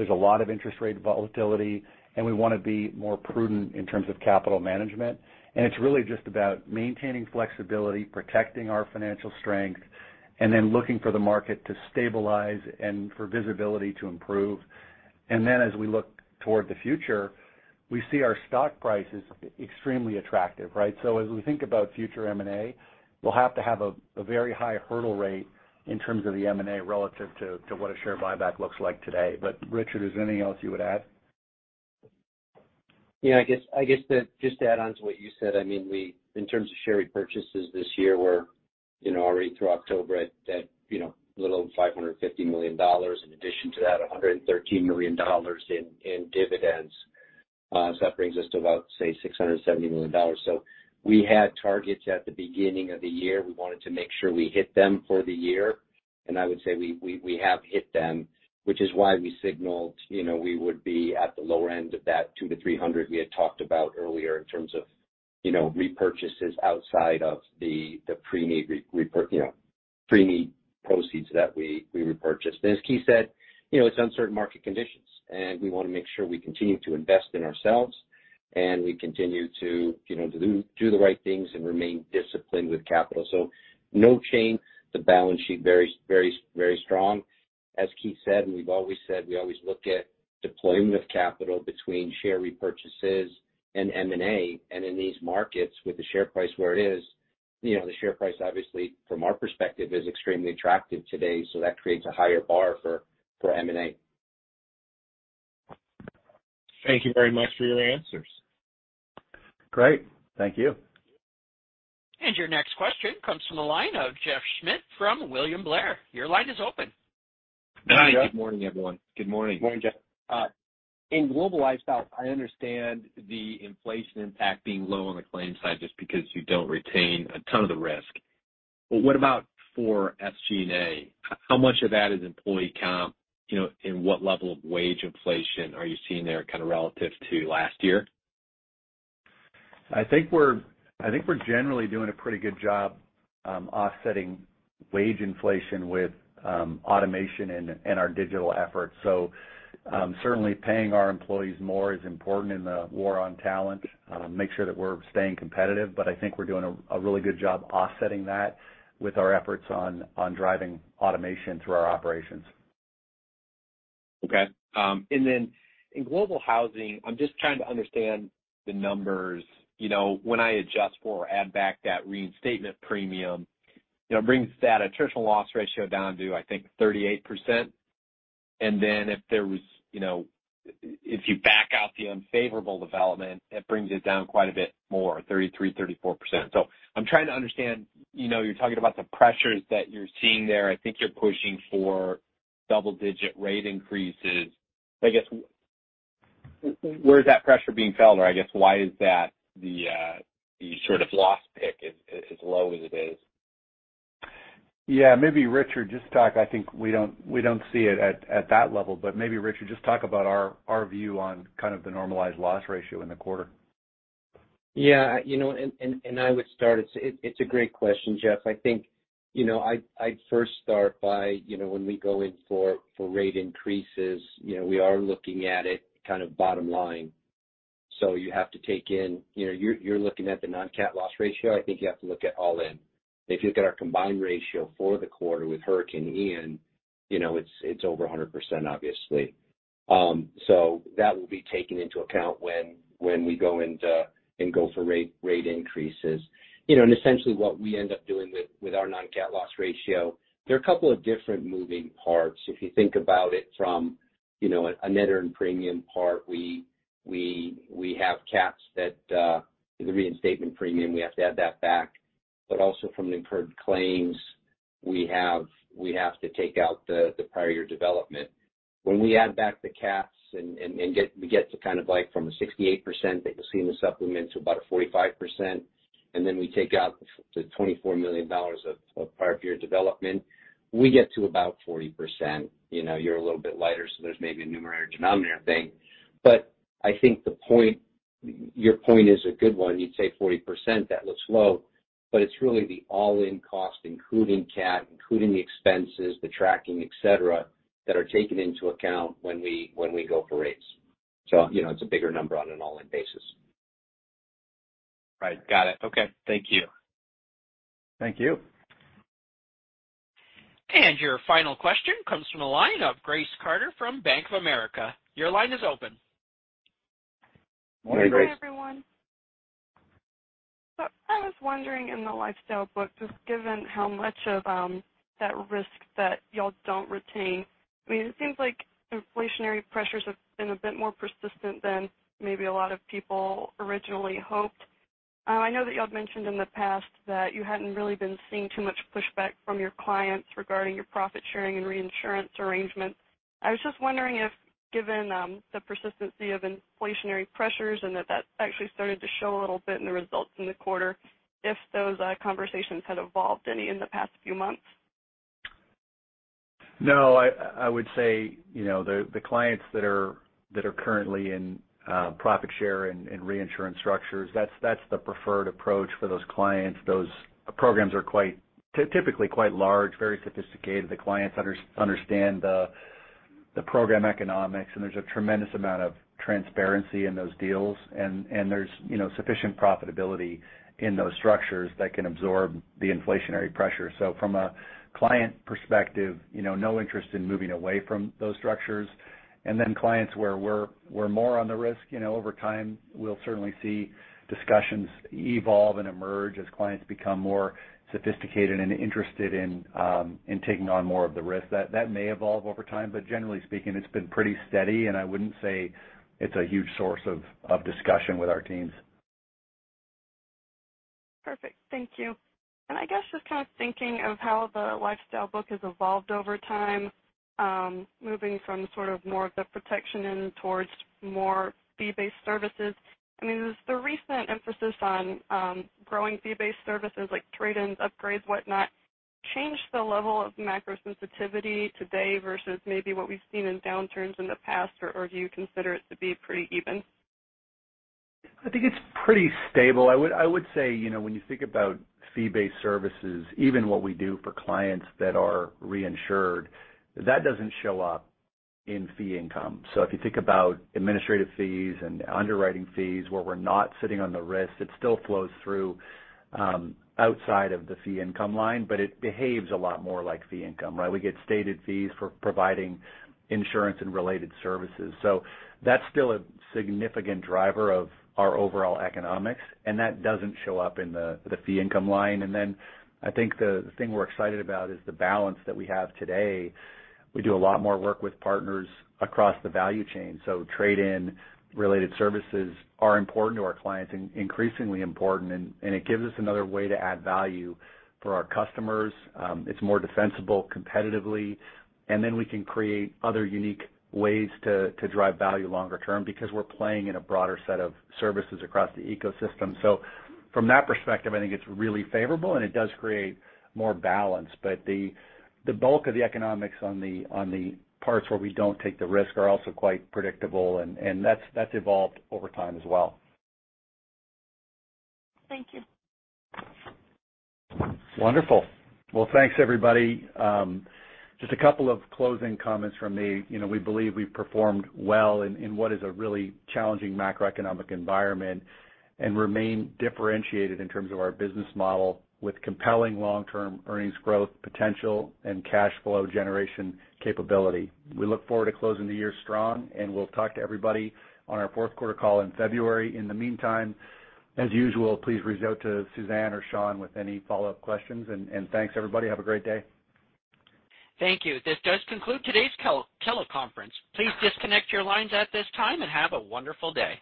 There's a lot of interest rate volatility, and we wanna be more prudent in terms of capital management. It's really just about maintaining flexibility, protecting our financial strength, and then looking for the market to stabilize and for visibility to improve. Then as we look toward the future, we see our stock price is extremely attractive, right? As we think about future M&A, we'll have to have a very high hurdle rate in terms of the M&A relative to what a share buyback looks like today. Richard, is there anything else you would add? Yeah, I guess to just add on to what you said, I mean, we in terms of share repurchases this year, we're, you know, already through October at, you know, a little over $550 million. In addition to that, $113 million in dividends. That brings us to about, say, $670 million. We had targets at the beginning of the year. We wanted to make sure we hit them for the year, and I would say we have hit them, which is why we signaled, you know, we would be at the lower end of that $200 to 300 we had talked about earlier in terms of, you know, repurchases outside of the preneed proceeds that we repurchased. As Keith said, you know, it's uncertain market conditions, and we wanna make sure we continue to invest in ourselves, and we continue to, you know, do the right things and remain disciplined with capital. No change. The balance sheet very strong. As Keith said, and we've always said, we always look at deployment of capital between share repurchases and M&A. In these markets, with the share price where it is, you know, the share price obviously from our perspective is extremely attractive today, so that creates a higher bar for M&A. Thank you very much for your answers. Great. Thank you. Your next question comes from the line of Jeff Schmitt from William Blair. Your line is open. Hi, Jeff. Good morning, everyone. Good morning. Morning, Jeff. In Global Lifestyle, I understand the inflation impact being low on the claim side just because you don't retain a ton of the risk. What about for SG&A? How much of that is employee comp? You know, what level of wage inflation are you seeing there kinda relative to last year? I think we're generally doing a pretty good job offsetting wage inflation with automation and our digital efforts. Certainly paying our employees more is important in the war on talent to make sure that we're staying competitive. I think we're doing a really good job offsetting that with our efforts on driving automation through our operations. Okay. In Global Housing, I'm just trying to understand the numbers. You know, when I adjust for or add back that reinstatement premium, you know, it brings that attritional loss ratio down to, I think, 38%. If you back out the unfavorable development, it brings it down quite a bit more, 33%-34%. I'm trying to understand, you know, you're talking about the pressures that you're seeing there. I think you're pushing for double-digit rate increases. I guess where is that pressure being felt? Or I guess why is that the sort of loss pick-up as low as it is? Yeah. I think we don't see it at that level, but maybe Richard, just talk about our view on kind of the normalized loss ratio in the quarter. You know, I would start. It's a great question, Jeff. I think, you know, I'd first start by, you know, when we go in for rate increases, you know, we are looking at it kind of bottom line. You have to take in, you know. You're looking at the non-CAT loss ratio. I think you have to look at all-in. If you look at our combined ratio for the quarter with Hurricane Ian, you know, it's over 100% obviously. That will be taken into account when we go into and go for rate increases. You know, essentially what we end up doing with our non-CAT loss ratio, there are a couple of different moving parts. If you think about it from, you know, a net earned premium part, we have CATs that, the reinstatement premium, we have to add that back. Also from the incurred claims we have to take out the prior year development. When we add back the CATs and get to kind of like from a 68% that you'll see in the supplement to about a 45%, and then we take out the $24 million of prior year development, we get to about 40%. You know, you're a little bit lighter, so there's maybe a numerator and denominator thing. I think the point, your point is a good one. You'd say 40%, that looks low, but it's really the all-in cost, including CAT, including the expenses, the tracking, et cetera, that are taken into account when we go for rates. You know, it's a bigger number on an all-in basis. Right. Got it. Okay. Thank you. Thank you. Your final question comes from the line of Grace Carter from Bank of America. Your line is open. Morning, Grace. Morning, everyone. I was wondering, in the Lifestyle book, just given how much of that risk that y'all don't retain, I mean, it seems like inflationary pressures have been a bit more persistent than maybe a lot of people originally hoped. I know that y'all have mentioned in the past that you hadn't really been seeing too much pushback from your clients regarding your profit sharing and reinsurance arrangement. I was just wondering if, given the persistency of inflationary pressures and that actually started to show a little bit in the results in the quarter, if those conversations had evolved any in the past few months. No, I would say, you know, the clients that are currently in profit share and reinsurance structures, that's the preferred approach for those clients. Those programs are typically quite large, very sophisticated. The clients understand the program economics, and there's a tremendous amount of transparency in those deals. And there's, you know, sufficient profitability in those structures that can absorb the inflationary pressure. From a client perspective, you know, no interest in moving away from those structures. Then clients where we're more on the risk, you know, over time, we'll certainly see discussions evolve and emerge as clients become more sophisticated and interested in taking on more of the risk. That may evolve over time. Generally speaking, it's been pretty steady, and I wouldn't say it's a huge source of discussion with our teams. Perfect. Thank you. I guess just kind of thinking of how the lifestyle book has evolved over time, moving from sort of more of the protection in towards more fee-based services. I mean, has the recent emphasis on growing fee-based services like trade-ins, upgrades, whatnot, changed the level of macro sensitivity today versus maybe what we've seen in downturns in the past, or do you consider it to be pretty even? I think it's pretty stable. I would say, you know, when you think about fee-based services, even what we do for clients that are reinsured, that doesn't show up in fee income. If you think about administrative fees and underwriting fees, where we're not sitting on the risk, it still flows through, outside of the fee income line, but it behaves a lot more like fee income, right? We get stated fees for providing insurance and related services. That's still a significant driver of our overall economics, and that doesn't show up in the fee income line. I think the thing we're excited about is the balance that we have today. We do a lot more work with partners across the value chain. Trade-in related services are important to our clients, increasingly important, and it gives us another way to add value for our customers. It's more defensible competitively, and then we can create other unique ways to drive value longer term because we're playing in a broader set of services across the ecosystem. From that perspective, I think it's really favorable, and it does create more balance. The bulk of the economics on the parts where we don't take the risk are also quite predictable and that's evolved over time as well. Thank you. Wonderful. Well, thanks, everybody. Just a couple of closing comments from me. You know, we believe we've performed well in what is a really challenging macroeconomic environment, and remain differentiated in terms of our business model with compelling long-term earnings growth potential and cash flow generation capability. We look forward to closing the year strong, and we'll talk to everybody on our Q4 call in February. In the meantime, as usual, please reach out to Suzanne or Sean with any follow-up questions. Thanks, everybody. Have a great day. Thank you. This does conclude today's teleconference. Please disconnect your lines at this time and have a wonderful day.